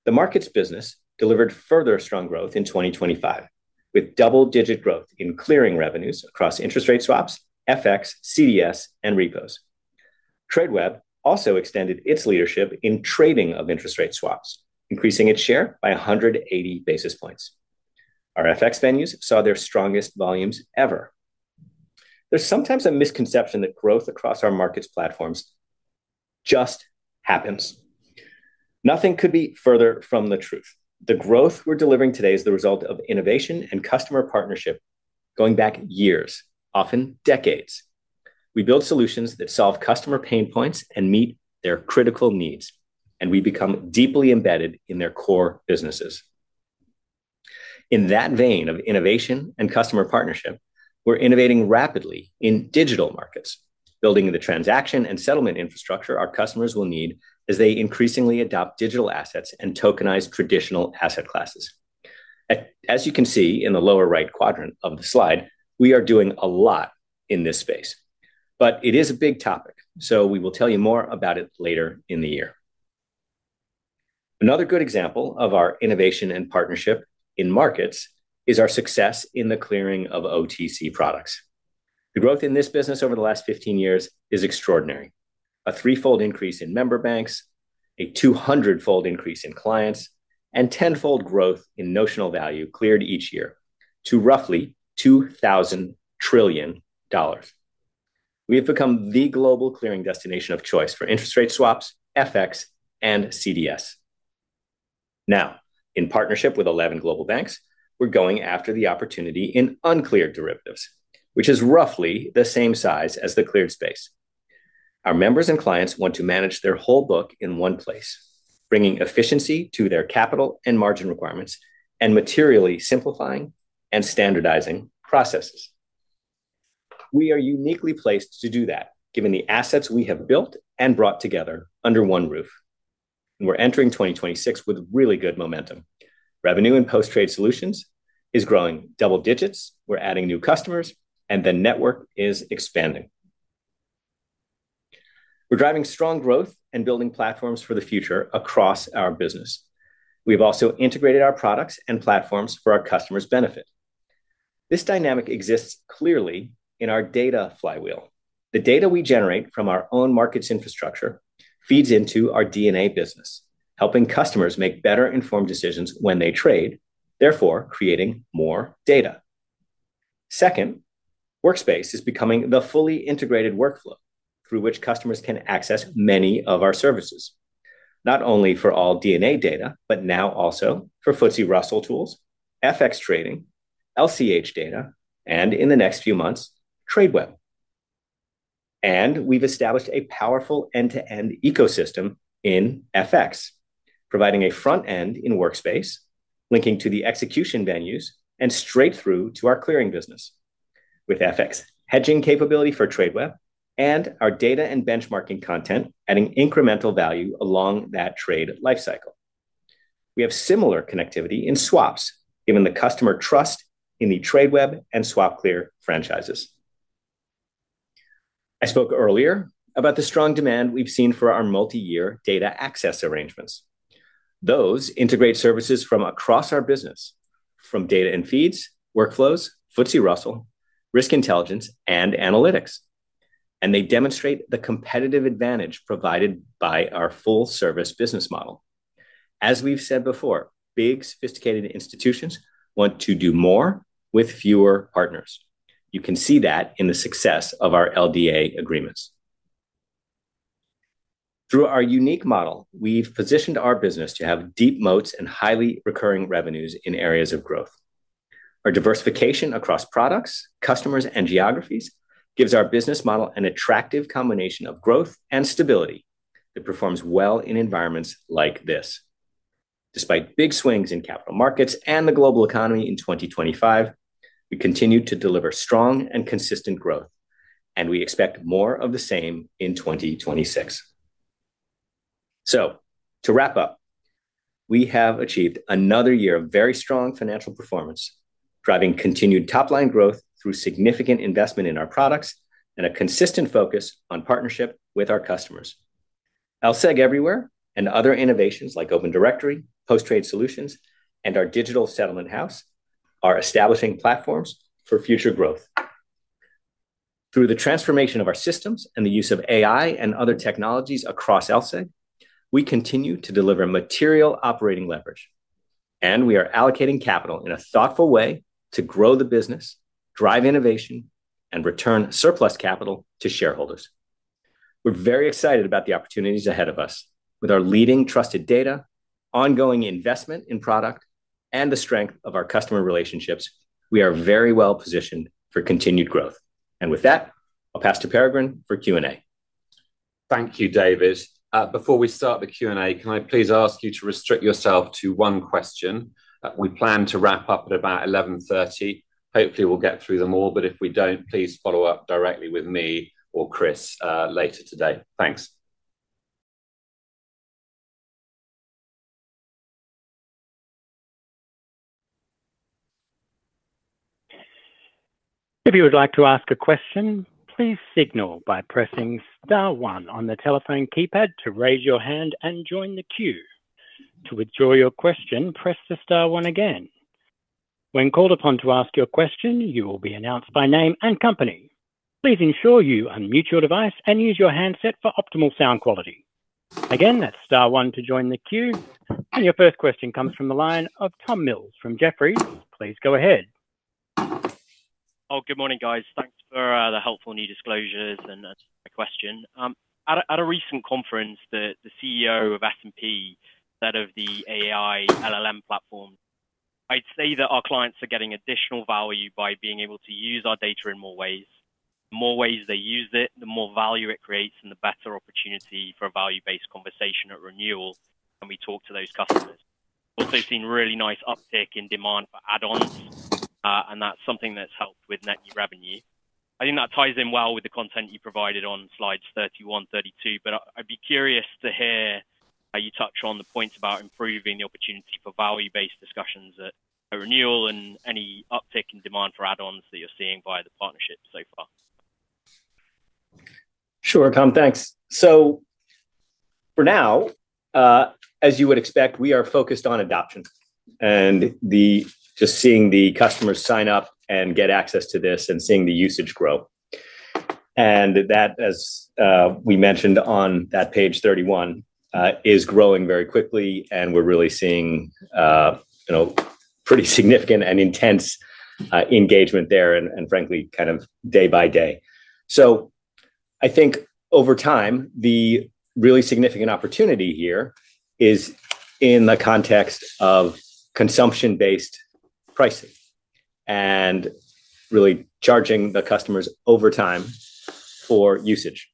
S2: The markets business delivered further strong growth in 2025, with double-digit growth in clearing revenues across interest rate swaps, FX, CDS, and repos. Tradeweb also extended its leadership in trading of interest rate swaps, increasing its share by 180 basis points. Our FX venues saw their strongest volumes ever. There's sometimes a misconception that growth across our markets platforms just happens. Nothing could be further from the truth. The growth we're delivering today is the result of innovation and customer partnership going back years, often decades. We build solutions that solve customer pain points and meet their critical needs, and we become deeply embedded in their core businesses. In that vein of innovation and customer partnership, we're innovating rapidly in digital markets, building the transaction and settlement infrastructure our customers will need as they increasingly adopt digital assets and tokenize traditional asset classes. As you can see in the lower right quadrant of the slide, we are doing a lot in this space, but it is a big topic, so we will tell you more about it later in the year. Another good example of our innovation and partnership in markets is our success in the clearing of OTC products. The growth in this business over the last 15 years is extraordinary. A threefold increase in member banks, a 200-fold increase in clients, and tenfold growth in notional value cleared each year to roughly GBP 2,000 trillion. We have become the global clearing destination of choice for interest rate swaps, FX, and CDS. In partnership with 11 global banks, we're going after the opportunity in uncleared derivatives, which is roughly the same size as the cleared space. Our members and clients want to manage their whole book in one place, bringing efficiency to their capital and margin requirements, and materially simplifying and standardizing processes. We are uniquely placed to do that, given the assets we have built and brought together under one roof, and we're entering 2026 with really good momentum. Revenue and Post Trade Solutions is growing double digits, we're adding new customers, and the network is expanding. We're driving strong growth and building platforms for the future across our business. We've also integrated our products and platforms for our customers' benefit. This dynamic exists clearly in our data flywheel. The data we generate from our own markets infrastructure feeds into our DNA business, helping customers make better-informed decisions when they trade, therefore, creating more data. Second, Workspace is becoming the fully integrated workflow through which customers can access many of our services, not only for all DNA data, but now also for FTSE Russell tools, FX trading, LCH data, and in the next few months, Tradeweb. We've established a powerful end-to-end ecosystem in FX, providing a front end in Workspace, linking to the execution venues, and straight through to our clearing business, with FX hedging capability for Tradeweb, and our data and benchmarking content adding incremental value along that trade life cycle. We have similar connectivity in swaps, given the customer trust in the Tradeweb and SwapClear franchises. I spoke earlier about the strong demand we've seen for our multi-year data access arrangements. Those integrate services from across our business, from data and feeds, workflows, FTSE Russell, risk intelligence, and analytics, and they demonstrate the competitive advantage provided by our full-service business model. As we've said before, big, sophisticated institutions want to do more with fewer partners. You can see that in the success of our LDA agreements. Through our unique model, we've positioned our business to have deep moats and highly recurring revenues in areas of growth. Our diversification across products, customers, and geographies gives our business model an attractive combination of growth and stability that performs well in environments like this. Despite big swings in capital markets and the global economy in 2025, we continued to deliver strong and consistent growth. We expect more of the same in 2026. To wrap up, we have achieved another year of very strong financial performance, driving continued top-line growth through significant investment in our products and a consistent focus on partnership with our customers. LSEG Everywhere and other innovations like Open Directory, Post Trade Solutions, and our Digital Settlement House are establishing platforms for future growth. Through the transformation of our systems and the use of AI and other technologies across LSEG, we continue to deliver material operating leverage, and we are allocating capital in a thoughtful way to grow the business, drive innovation, and return surplus capital to shareholders. We're very excited about the opportunities ahead of us with our leading trusted data, ongoing investment in product and the strength of our customer relationships, we are very well positioned for continued growth. With that, I'll pass to Peregrine for Q&A.
S4: Thank you, David. Before we start the Q&A, can I please ask you to restrict yourself to one question? We plan to wrap up at about 11:30 A.M. Hopefully, we'll get through them all, but if we don't, please follow up directly with me or Chris later today. Thanks.
S1: If you would like to ask a question, please signal by pressing star one on the telephone keypad to raise your hand and join the queue. To withdraw your question, press the star one again. When called upon to ask your question, you will be announced by name and company. Please ensure you unmute your device and use your handset for optimal sound quality. Again, that's star one to join the queue. Your first question comes from the line of Tom Mills from Jefferies. Please go ahead.
S5: Good morning, guys. Thanks for the helpful new disclosures, and my question. At a recent conference, the Chief Executive Officer of S&P, said of the AI LLM platform, "I'd say that our clients are getting additional value by being able to use our data in more ways. The more ways they use it, the more value it creates and the better opportunity for a value-based conversation at renewal when we talk to those customers." Also seen really nice uptick in demand for add-ons, and that's something that's helped with net new revenue. I think that ties in well with the content you provided on slides 31, 32. I'd be curious to hear how you touch on the points about improving the opportunity for value-based discussions at a renewal, and any uptick in demand for add-ons that you're seeing via the partnership so far.
S2: Sure, Tom. Thanks. For now, as you would expect, we are focused on adoption, and just seeing the customers sign up and get access to this and seeing the usage grow. That, as we mentioned on that page 31, is growing very quickly, and we're really seeing, you know, pretty significant and intense engagement there, and frankly, kind of day by day. I think over time, the really significant opportunity here is in the context of consumption-based pricing and really charging the customers over time for usage.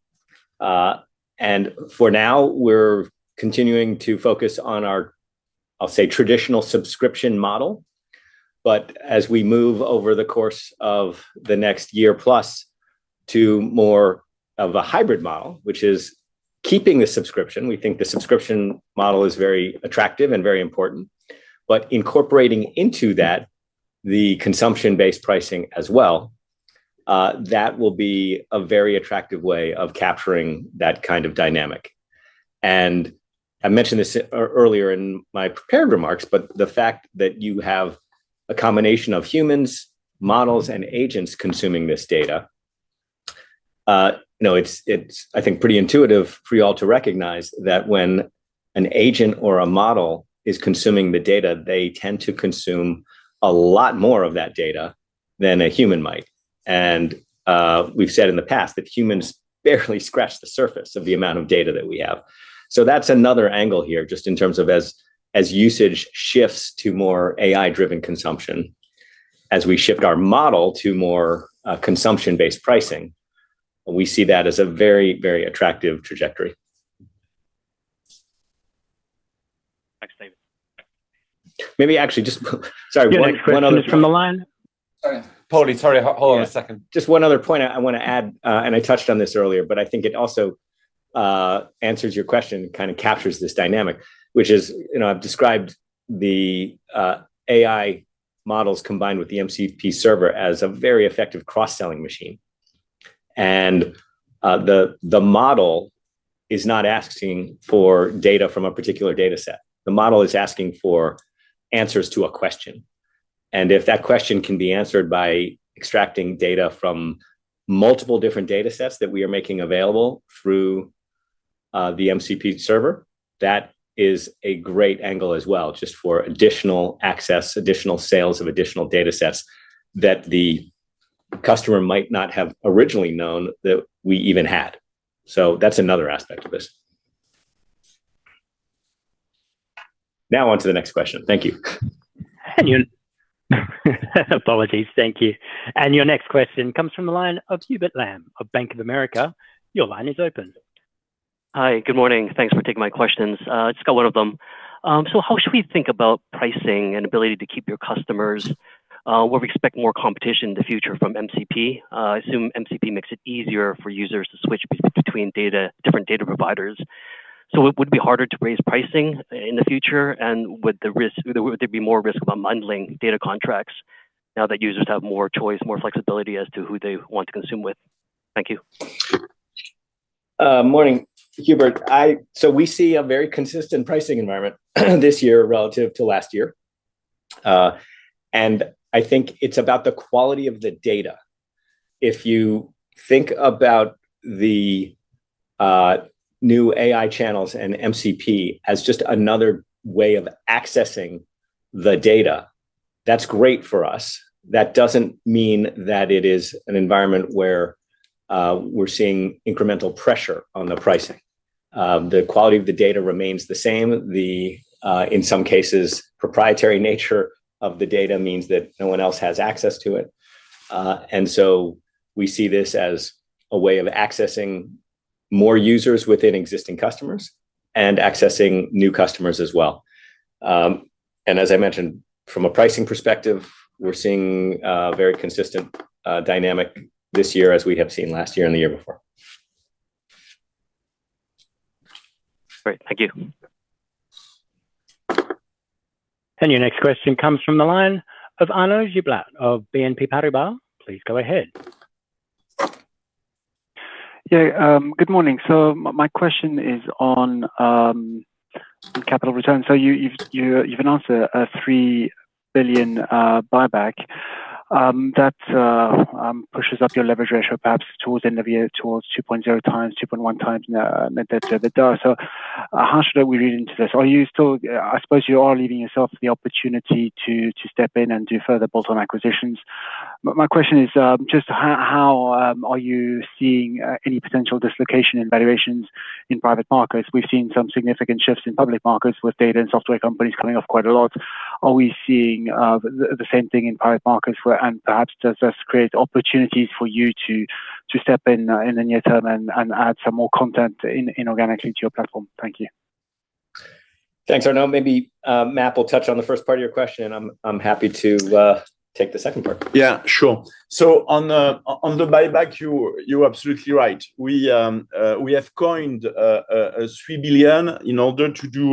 S2: And for now, we're continuing to focus on our, I'll say, traditional subscription model. As we move over the course of the next year plus to more of a hybrid model, which is keeping the subscription, we think the subscription model is very attractive and very important, but incorporating into that, the consumption-based pricing as well, that will be a very attractive way of capturing that kind of dynamic. I mentioned this earlier in my prepared remarks, but the fact that you have a combination of humans, models, and agents consuming this data, you know, it's, I think, pretty intuitive for you all to recognize that when an agent or a model is consuming the data, they tend to consume a lot more of that data than a human might. We've said in the past that humans barely scratch the surface of the amount of data that we have. That's another angle here, just in terms of as usage shifts to more AI-driven consumption, as we shift our model to more, consumption-based pricing, we see that as a very, very attractive trajectory.
S5: Thanks, David.
S2: Maybe actually just, Sorry, one.
S1: Next question from the line.
S4: Sorry, Pody, sorry. Hold on a second.
S2: Just one other point I want to add, and I touched on this earlier, but I think it also answers your question and kind of captures this dynamic, which is, you know, I've described the AI models combined with the MCP server as a very effective cross-selling machine. The model is not asking for data from a particular data set. The model is asking for answers to a question, and if that question can be answered by extracting data from multiple different data sets that we are making available through the MCP server, that is a great angle as well, just for additional access, additional sales of additional data sets that the customer might not have originally known that we even had. That's another aspect of this. On to the next question. Thank you.
S1: Apologies. Thank you. Your next question comes from the line of Hubert Lam of Bank of America. Your line is open.
S6: Hi, good morning. Thanks for taking my questions. Just got one of them. How should we think about pricing and ability to keep your customers, where we expect more competition in the future from MCP? I assume MCP makes it easier for users to switch between different data providers. It would be harder to raise pricing in the future, and would there be more risk of unbundling data contracts now that users have more choice, more flexibility as to who they want to consume with? Thank you.
S2: Morning, Hubert. We see a very consistent pricing environment this year relative to last year, and I think it's about the quality of the data. If you think about the new AI channels and MCP as just another way of accessing the data, that's great for us. That doesn't mean that it is an environment where we're seeing incremental pressure on the pricing. The quality of the data remains the same. The in some cases, proprietary nature of the data means that no one else has access to it. We see this as a way of accessing more users within existing customers and accessing new customers as well. As I mentioned, from a pricing perspective, we're seeing very consistent dynamic this year as we have seen last year and the year before.
S6: Great. Thank you.
S1: Your next question comes from the line of Arnaud Giblat of BNP Paribas. Please go ahead.
S7: Good morning. My question is on capital return. You've announced a 3 billion buyback that pushes up your leverage ratio perhaps towards the end of the year, towards 2.0 times-2.1 times net debt to EBITDA. How should we read into this? I suppose you are leaving yourself the opportunity to step in and do further bolt-on acquisitions. My question is just how are you seeing any potential dislocation in valuations in private markets? We've seen some significant shifts in public markets with data and software companies coming off quite a lot. Are we seeing the same thing in private markets where, and perhaps does this create opportunities for you to step in the near term and add some more content inorganically to your platform? Thank you.
S2: Thanks, Arnaud. Maybe, Marc will touch on the first part of your question, and I'm happy to take the second part.
S3: Sure. On the buyback, you're absolutely right. We have coined a 3 billion in order to do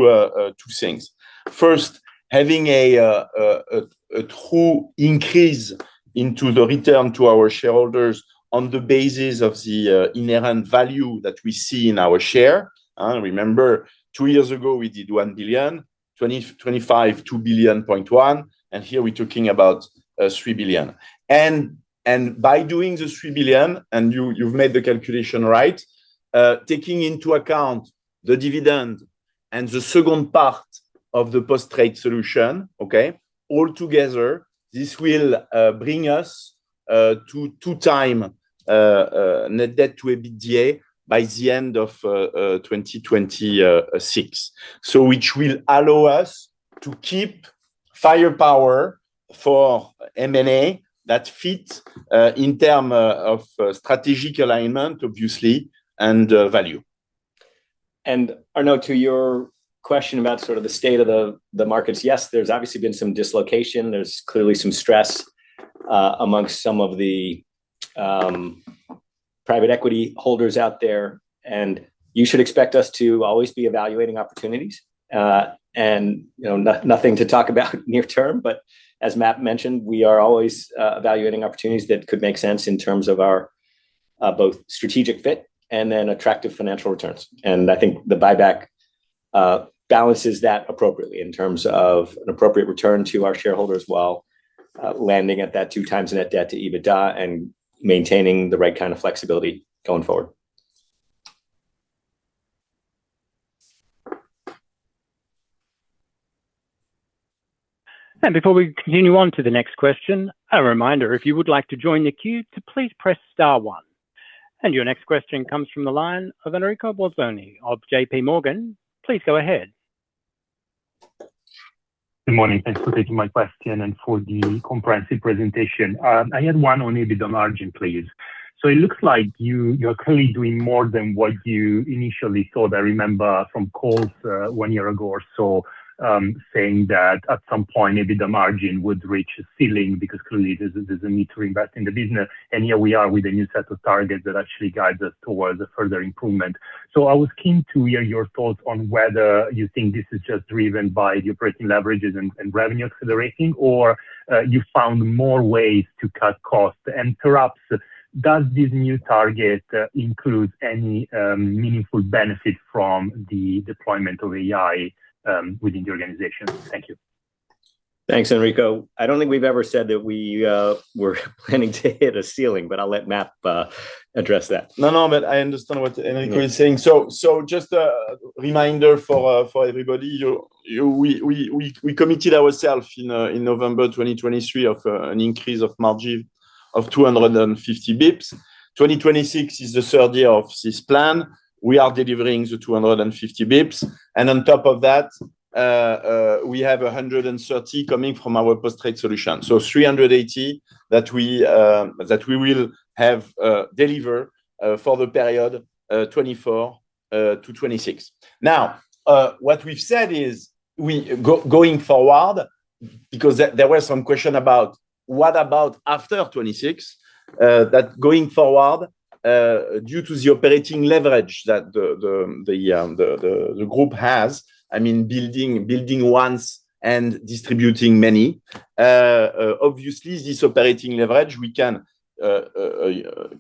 S3: two things. First, having a true increase into the return to our shareholders on the basis of the inherent value that we see in our share. Remember, two-years ago, we did 1 billion; 2.1 billion, here we're talking about 3 billion. By doing the 3 billion, and you've made the calculation right, taking into account the dividend and the second part of the Post Trade Solutions, okay? All together, this will bring us to two times net debt to EBITDA by the end of 2026. Which will allow us to keep firepower for M&A that fit, in term, of strategic alignment, obviously, and, value.
S2: Arnaud, to your question about sort of the state of the markets, yes, there's obviously been some dislocation. There's clearly some stress amongst some of the private equity holders out there, and you should expect us to always be evaluating opportunities. you know, nothing to talk about near term, but as Marc mentioned, we are always evaluating opportunities that could make sense in terms of our both strategic fit and then attractive financial returns. I think the buyback balances that appropriately in terms of an appropriate return to our shareholders, while landing at that two times net debt to EBITDA and maintaining the right kind of flexibility going forward.
S1: Before we continue on to the next question, a reminder, if you would like to join the queue, to please press star one. Your next question comes from the line of Enrico Bolzoni of J.P. Morgan. Please go ahead.
S8: Good morning. Thanks for taking my question and for the comprehensive presentation. I had one on EBITDA margin, please. It looks like you're clearly doing more than what you initially thought. I remember from calls, one-year ago or so, saying that at some point, maybe the margin would reach a ceiling, because clearly there's a need to invest in the business, and here we are with a new set of targets that actually guides us towards a further improvement. I was keen to hear your thoughts on whether you think this is just driven by the operating leverages and revenue accelerating, or you found more ways to cut costs? Perhaps, does this new target include any meaningful benefit from the deployment of AI within the organization? Thank you.
S2: Thanks, Enrico. I don't think we've ever said that we were planning to hit a ceiling, but I'll let Marc address that.
S3: I understand what Enrico is saying. Just a reminder for everybody, we committed ourself in November 2023, of an increase of margin of 250 basis points. 2026 is the third year of this plan. We are delivering the 250 basis points, on top of that, we have 130 coming from our Post Trade Solutions. 380 that we that we will have deliver for the period 2024 to 2026. What we've said is we going forward, because there were some question about what about after 2026? That going forward, due to the operating leverage that the group has, I mean, building once and distributing many, obviously, this operating leverage, we can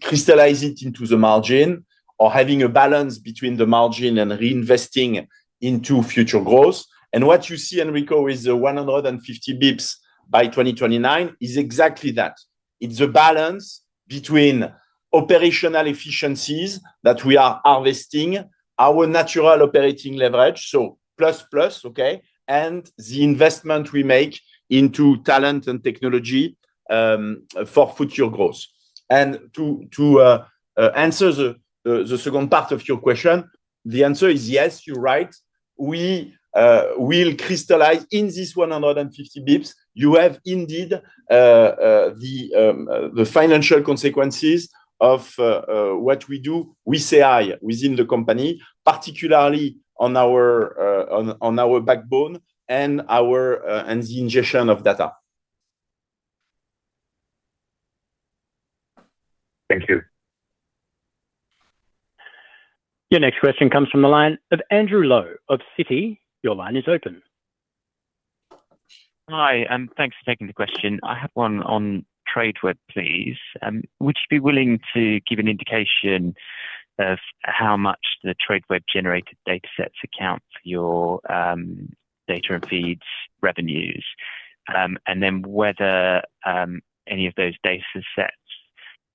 S3: crystallize it into the margin or having a balance between the margin and reinvesting into future growth. What you see, Enrico, is the 150 basis points by 2029, is exactly that. It's a balance between operational efficiencies that we are harvesting, our natural operating leverage, so plus, okay? The investment we make into talent and technology for future growth. To answer the second part of your question, the answer is yes, you're right. We will crystallize in this 150 basis points. You have indeed, the financial consequences of what we do with AI within the company, particularly on our backbone and the ingestion of data.
S2: Thank you.
S1: Your next question comes from the line of Andrew Coombs of Citi. Your line is open.
S9: Hi, and thanks for taking the question. I have one on Tradeweb, please. Would you be willing to give an indication of how much the Tradeweb-generated datasets account for your data and feeds revenues? Then whether any of those datasets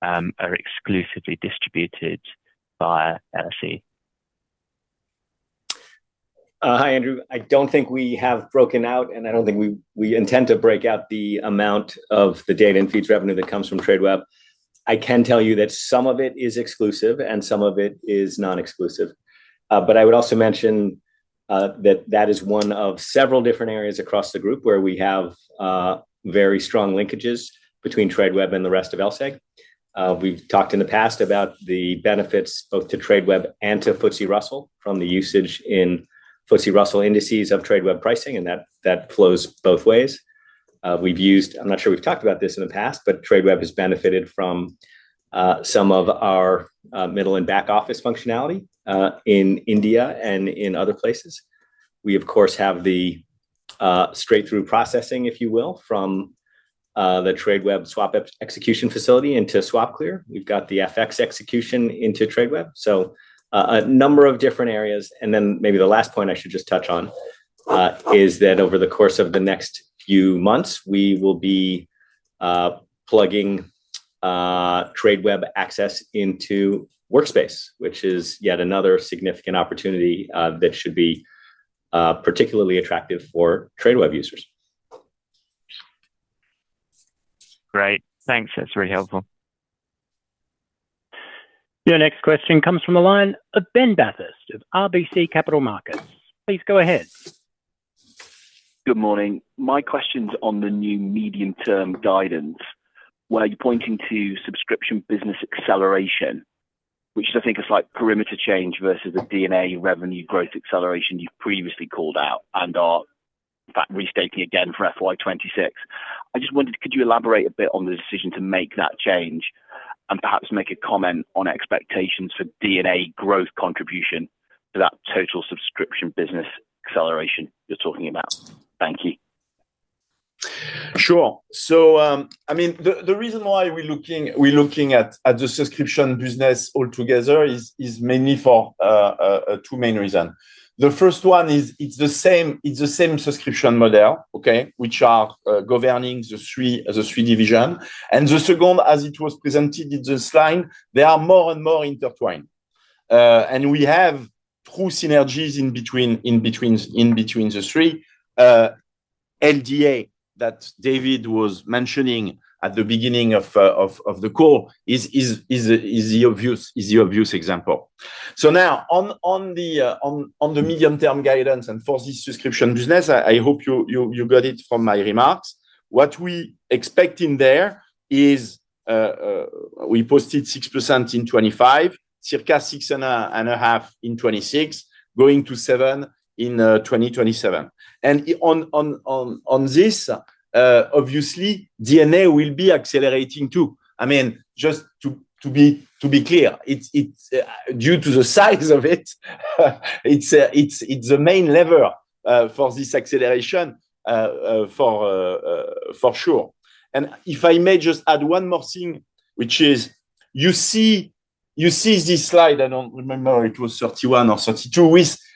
S9: are exclusively distributed by LSE?
S2: Hi, Andrew. I don't think we have broken out, and I don't think we intend to break out the amount of the data and feeds revenue that comes from Tradeweb. I can tell you that some of it is exclusive and some of it is non-exclusive. I would also mention that that is one of several different areas across the group where we have very strong linkages between Tradeweb and the rest of LSEG. We've talked in the past about the benefits both to Tradeweb and to FTSE Russell from the usage in FTSE Russell indices of Tradeweb pricing, and that flows both ways. I'm not sure we've talked about this in the past, but Tradeweb has benefited from some of our middle and back office functionality in India and in other places. We, of course, have the straight-through processing, if you will, from the Tradeweb swap execution facility into SwapClear. We've got the FX execution into Tradeweb. A number of different areas. Maybe the last point I should just touch on is that over the course of the next few months, we will be plugging Tradeweb access into Workspace, which is yet another significant opportunity that should be particularly attractive for Tradeweb users.
S9: Great. Thanks, that's very helpful.
S1: Your next question comes from the line of Ben Bathurst of RBC Capital Markets. Please go ahead.
S10: Good morning. My question's on the new medium-term guidance, where you're pointing to subscription business acceleration, which I think is like perimeter change versus the DNA revenue growth acceleration you've previously called out and are, in fact, restating again for FY 2026. I just wondered, could you elaborate a bit on the decision to make that change, and perhaps make a comment on expectations for DNA growth contribution to that total subscription business acceleration you're talking about? Thank you.
S3: Sure. I mean, the reason why we're looking at the subscription business altogether is mainly for two main reason. The first one is, it's the same subscription model, okay? Which are governing the three division. The second, as it was presented in the slide, they are more and more intertwined. We have two synergies in between the three. LSEGA, that David was mentioning at the beginning of the call, is the obvious example. Now on the medium-term guidance and for this subscription business, I hope you got it from my remarks. What we expecting there is, we posted 6% in 2025, circa 6.5 in 2026, going to 7 in 2027. On this, obviously, DNA will be accelerating too. I mean, just to be clear, it's due to the size of it's the main lever for this acceleration for sure. If I may just add one more thing, which is you see this slide, I don't remember it was 31 or 32,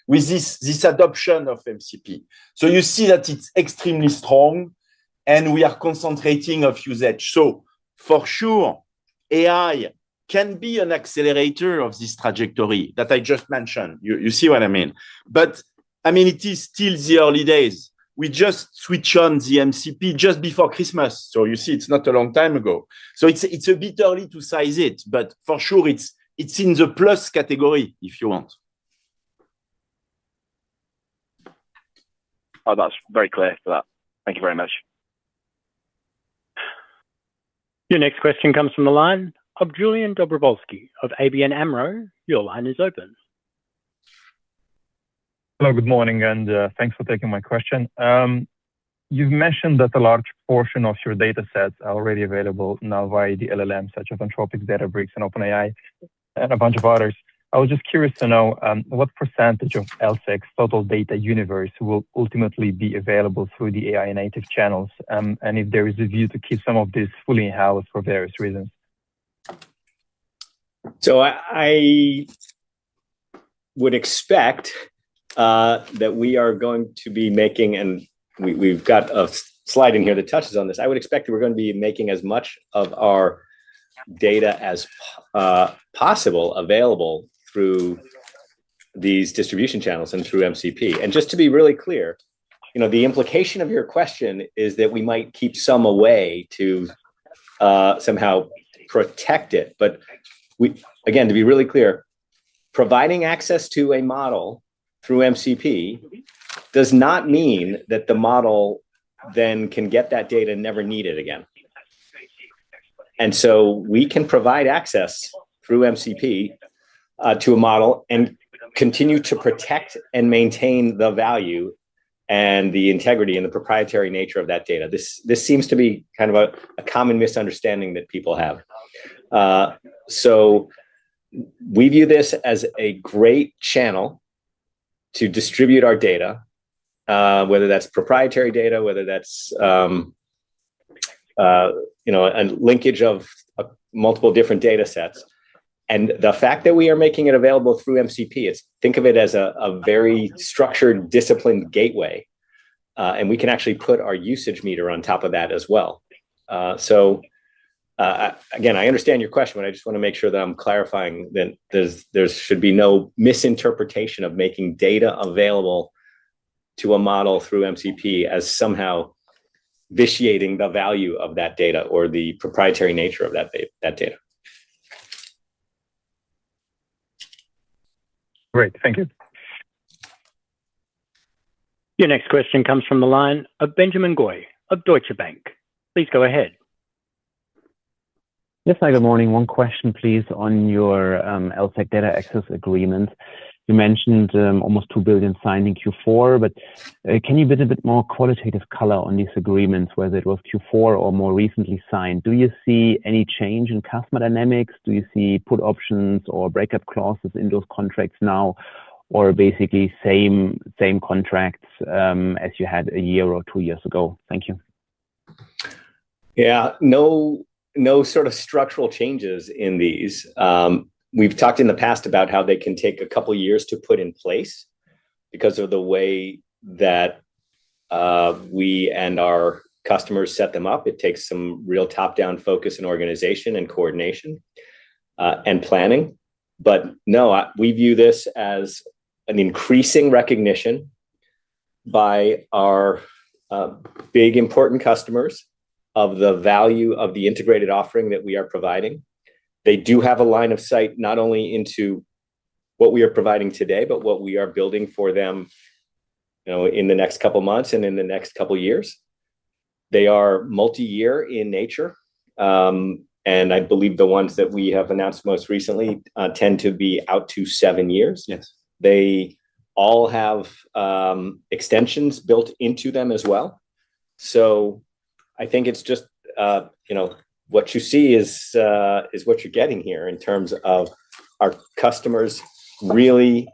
S3: with this adoption of MCP. You see that it's extremely strong, and we are concentrating of usage. For sure, AI can be an accelerator of this trajectory that I just mentioned. You see what I mean? I mean, it is still the early days. We just switch on the MCP just before Christmas, so you see it's not a long time ago. It's a bit early to size it, but for sure, it's in the plus category, if you want.
S10: Oh, that's very clear for that. Thank you very much.
S1: Your next question comes from the line of Johannes Dobrovsky of ABN AMRO. Your line is open.
S11: Hello, good morning, and thanks for taking my question. You've mentioned that a large portion of your datasets are already available now via the LLM, such as Anthropic, Databricks, and OpenAI, and a bunch of others. I was just curious to know what % of LSEG's total data universe will ultimately be available through the AI-native channels, and if there is a view to keep some of this fully in-house for various reasons?
S3: I would expect that we are going to be making. We've got a slide in here that touches on this. I would expect that we're going to be making as much of our data as possible available.... these distribution channels and through MCP. Just to be really clear, you know, the implication of your question is that we might keep some away to somehow protect it. Again, to be really clear, providing access to a model through MCP does not mean that the model then can get that data and never need it again. So we can provide access through MCP to a model and continue to protect and maintain the value and the integrity and the proprietary nature of that data. This seems to be kind of a common misunderstanding that people have. So we view this as a great channel to distribute our data, whether that's proprietary data, whether that's, you know, a linkage of multiple different data sets. The fact that we are making it available through MCP is think of it as a very structured, disciplined gateway. We can actually put our usage meter on top of that as well. Again, I understand your question, but I just want to make sure that I'm clarifying that there's, there should be no misinterpretation of making data available to a model through MCP as somehow vitiating the value of that data or the proprietary nature of that data.
S11: Great. Thank you.
S1: Your next question comes from the line of Benjamin Goy of Deutsche Bank. Please go ahead.
S12: Yes. Hi, good morning. One question, please, on your LSEG data access agreement. You mentioned almost 2 billion signed in Q4. Can you give a bit more qualitative color on these agreements, whether it was Q4 or more recently signed? Do you see any change in customer dynamics? Do you see put options or breakup clauses in those contracts now, or basically same contracts as you had a year or two-years ago? Thank you.
S2: Yeah, no sort of structural changes in these. We've talked in the past about how they can take a couple of years to put in place because of the way that we and our customers set them up. It takes some real top-down focus, and organization, and coordination, and planning. No, we view this as an increasing recognition by our big, important customers of the value of the integrated offering that we are providing. They do have a line of sight, not only into what we are providing today, but what we are building for them, you know, in the next couple of months and in the next couple of years. They are multi-year in nature, and I believe the ones that we have announced most recently tend to be out to seven-years.
S12: Yes.
S2: They all have extensions built into them as well. I think it's just, you know, what you see is what you're getting here in terms of our customers really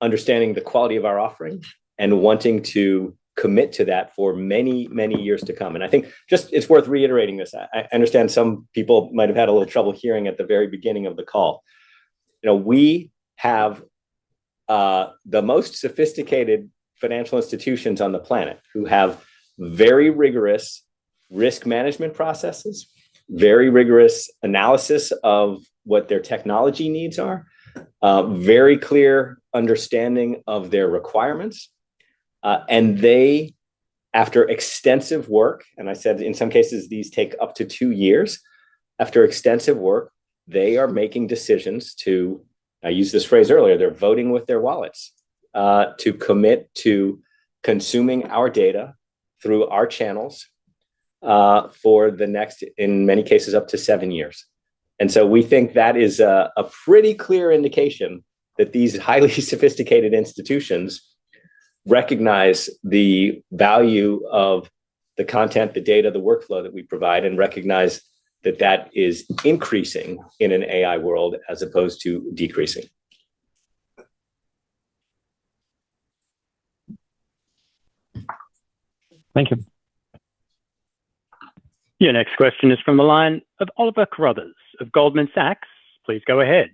S2: understanding the quality of our offering and wanting to commit to that for many, many years to come. I think just it's worth reiterating this. I understand some people might have had a little trouble hearing at the very beginning of the call. You know, we have the most sophisticated financial institutions on the planet who have very rigorous risk management processes, very rigorous analysis of what their technology needs are, very clear understanding of their requirements. They, after extensive work, and I said, in some cases, these take up to two-years. After extensive work, they are making decisions to. I used this phrase earlier, they're voting with their wallets, to commit to consuming our data through our channels, for the next, in many cases, up to seven-years. We think that is a pretty clear indication that these highly sophisticated institutions recognize the value of the content, the data, the workflow that we provide, and recognize that that is increasing in an AI world as opposed to decreasing.
S12: Thank you.
S1: Your next question is from the line of Oliver Carruthers of Goldman Sachs. Please go ahead.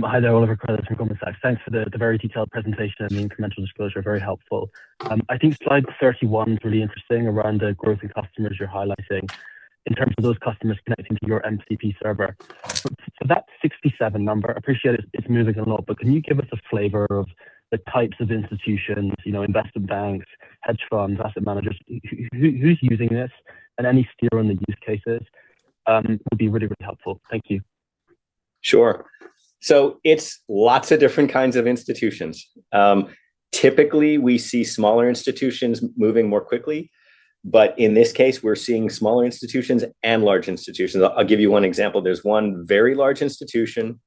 S13: Hi there, Oliver Carruthers from Goldman Sachs. Thanks for the very detailed presentation and the incremental disclosure, very helpful. I think slide 31 is really interesting around the growth in customers you're highlighting in terms of those customers connecting to your MCP server. That 67 number, I appreciate it's moving a lot, but can you give us a flavor of the types of institutions, you know, investment banks, hedge funds, asset managers, who's using this? Any steer on the use cases would be really helpful. Thank you.
S2: Sure. It's lots of different kinds of institutions. Typically, we see smaller institutions moving more quickly, but in this case, we're seeing smaller institutions and large institutions. I'll give you one example. There's one very large institution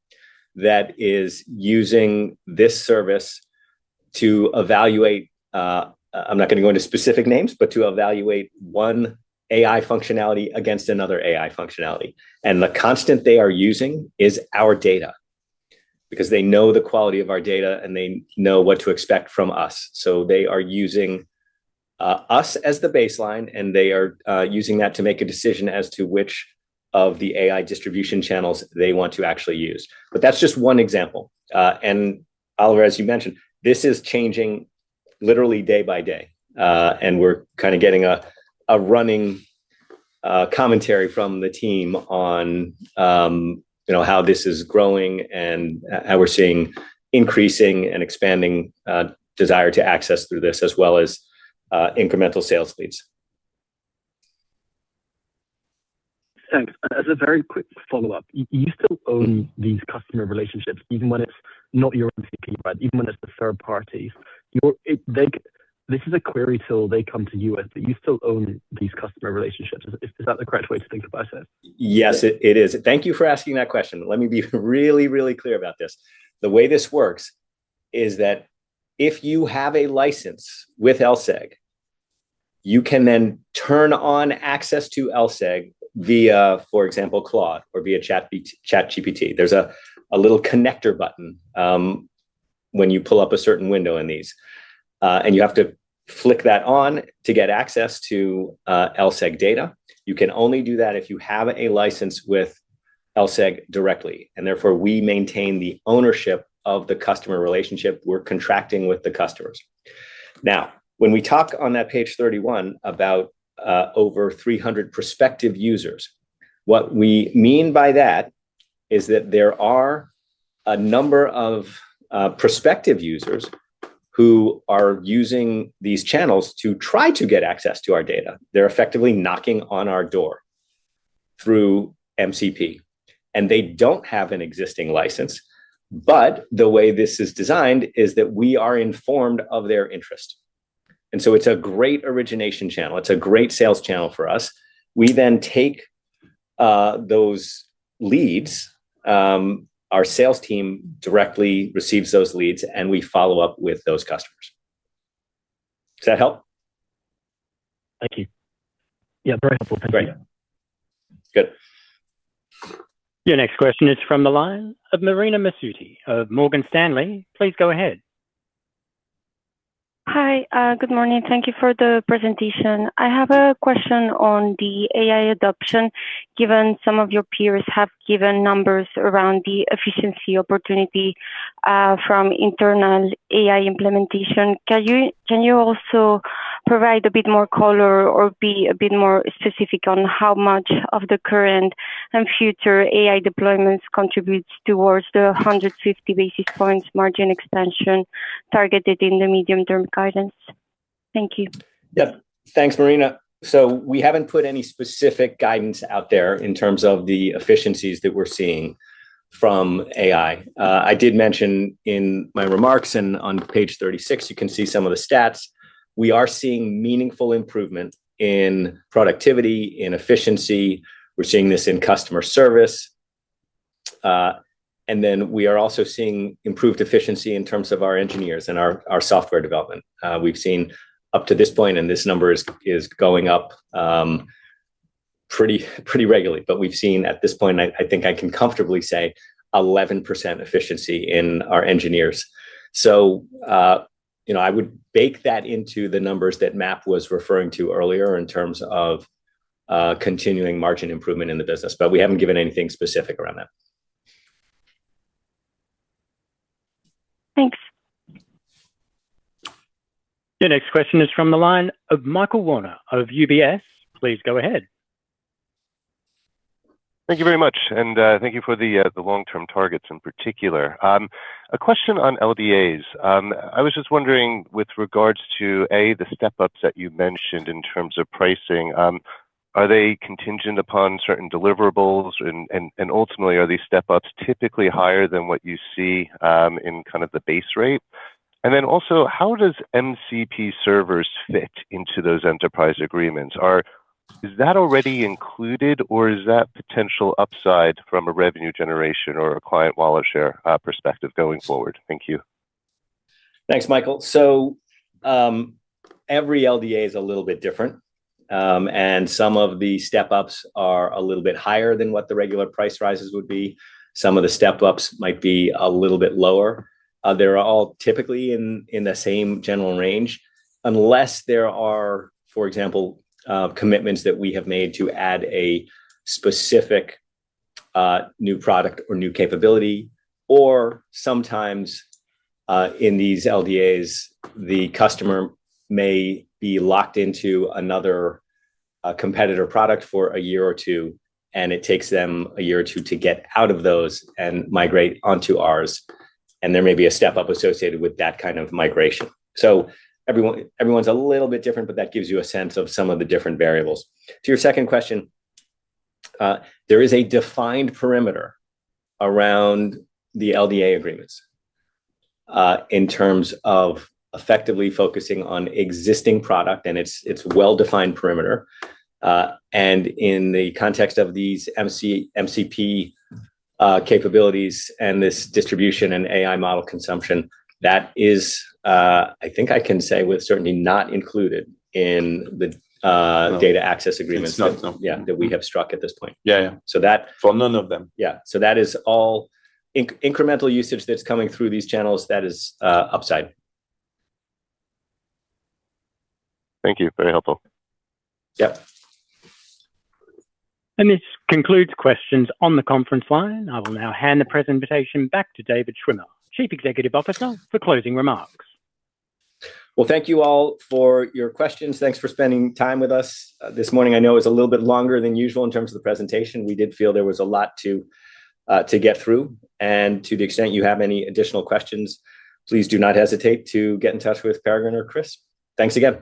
S2: that is using this service to evaluate. I'm not going to go into specific names, but to evaluate one AI functionality against another AI functionality. The constant they are using is our data, because they know the quality of our data, and they know what to expect from us. They are using, us as the baseline, and they are using that to make a decision as to which of the AI distribution channels they want to actually use. That's just one example. Oliver, as you mentioned, this is changing literally day by day, and we're kind of getting. Commentary from the team on, you know, how this is growing and how we're seeing increasing and expanding, desire to access through this, as well as, incremental sales leads.
S13: Thanks. As a very quick follow-up, you still own these customer relationships, even when it's the third party. They This is a query tool they come to you with, but you still own these customer relationships. Is that the correct way to think about this?
S2: Yes, it is. Thank you for asking that question. Let me be really, really clear about this. The way this works is that if you have a license with LSEG, you can then turn on access to LSEG via, for example, Claude, or via ChatGPT. There's a little connector button when you pull up a certain window in these, and you have to flick that on to get access to LSEG data. You can only do that if you have a license with LSEG directly, and therefore, we maintain the ownership of the customer relationship. We're contracting with the customers. Now, when we talk on that page 31 about over 300 prospective users, what we mean by that is that there are a number of prospective users who are using these channels to try to get access to our data. They're effectively knocking on our door through MCP, and they don't have an existing license, but the way this is designed is that we are informed of their interest. It's a great origination channel. It's a great sales channel for us. We then take those leads, our sales team directly receives those leads, and we follow up with those customers. Does that help?
S13: Thank you. Yeah, very helpful. Thank you.
S2: Great. Good.
S1: Your next question is from the line of Marina Massuti of Morgan Stanley. Please go ahead.
S14: Hi, good morning. Thank you for the presentation. I have a question on the AI adoption, given some of your peers have given numbers around the efficiency opportunity from internal AI implementation. Can you also provide a bit more color or be a bit more specific on how much of the current and future AI deployments contributes towards the 150 basis points margin expansion targeted in the medium-term guidance? Thank you.
S2: Yeah. Thanks, Marina. We haven't put any specific guidance out there in terms of the efficiencies that we're seeing from AI. I did mention in my remarks, and on page 36, you can see some of the stats. We are seeing meaningful improvement in productivity, in efficiency. We're seeing this in customer service, and we are also seeing improved efficiency in terms of our engineers and our software development. We've seen up to this point, and this number is going up pretty regularly, but we've seen at this point, I think I can comfortably say 11% efficiency in our engineers. You know, I would bake that into the numbers that Marc was referring to earlier in terms of continuing margin improvement in the business, but we haven't given anything specific around that.
S14: Thanks.
S1: The next question is from the line of Michael Werner of UBS. Please go ahead.
S15: Thank you very much, and thank you for the long-term targets in particular. A question on LDAs. I was just wondering, with regards to, A, the step-ups that you mentioned in terms of pricing, are they contingent upon certain deliverables? Ultimately, are these step-ups typically higher than what you see in kind of the base rate? Also, how does MCP servers fit into those enterprise agreements? Is that already included, or is that potential upside from a revenue generation or a client wallet share perspective going forward? Thank you.
S2: Thanks, Michael. Every LDA is a little bit different, and some of the step-ups are a little bit higher than what the regular price rises would be. Some of the step-ups might be a little bit lower. They're all typically in the same general range, unless there are, for example, commitments that we have made to add a specific new product or new capability, or sometimes, in these LDAs, the customer may be locked into another competitor product for a year or two, and it takes them a year or two to get out of those and migrate onto ours, and there may be a step-up associated with that kind of migration. Everyone's a little bit different, but that gives you a sense of some of the different variables. To your second question, there is a defined perimeter around the LDA agreements, in terms of effectively focusing on existing product, and it's a well-defined perimeter. In the context of these MCP capabilities and this distribution and AI model consumption, that is, I think I can say, with certainty not included in the data access agreements.
S15: It's not, no.
S2: Yeah, that we have struck at this point.
S15: Yeah, yeah.
S2: So that-
S15: For none of them.
S2: Yeah. That is all incremental usage that's coming through these channels, that is upside.
S15: Thank you. Very helpful.
S2: Yep.
S1: This concludes questions on the conference line. I will now hand the presentation back to David Schwimmer, Chief Executive Officer, for closing remarks.
S2: Well, thank you all for your questions. Thanks for spending time with us this morning. I know it's a little bit longer than usual in terms of the presentation. We did feel there was a lot to get through, and to the extent you have any additional questions, please do not hesitate to get in touch with Peregrine or Chris. Thanks again.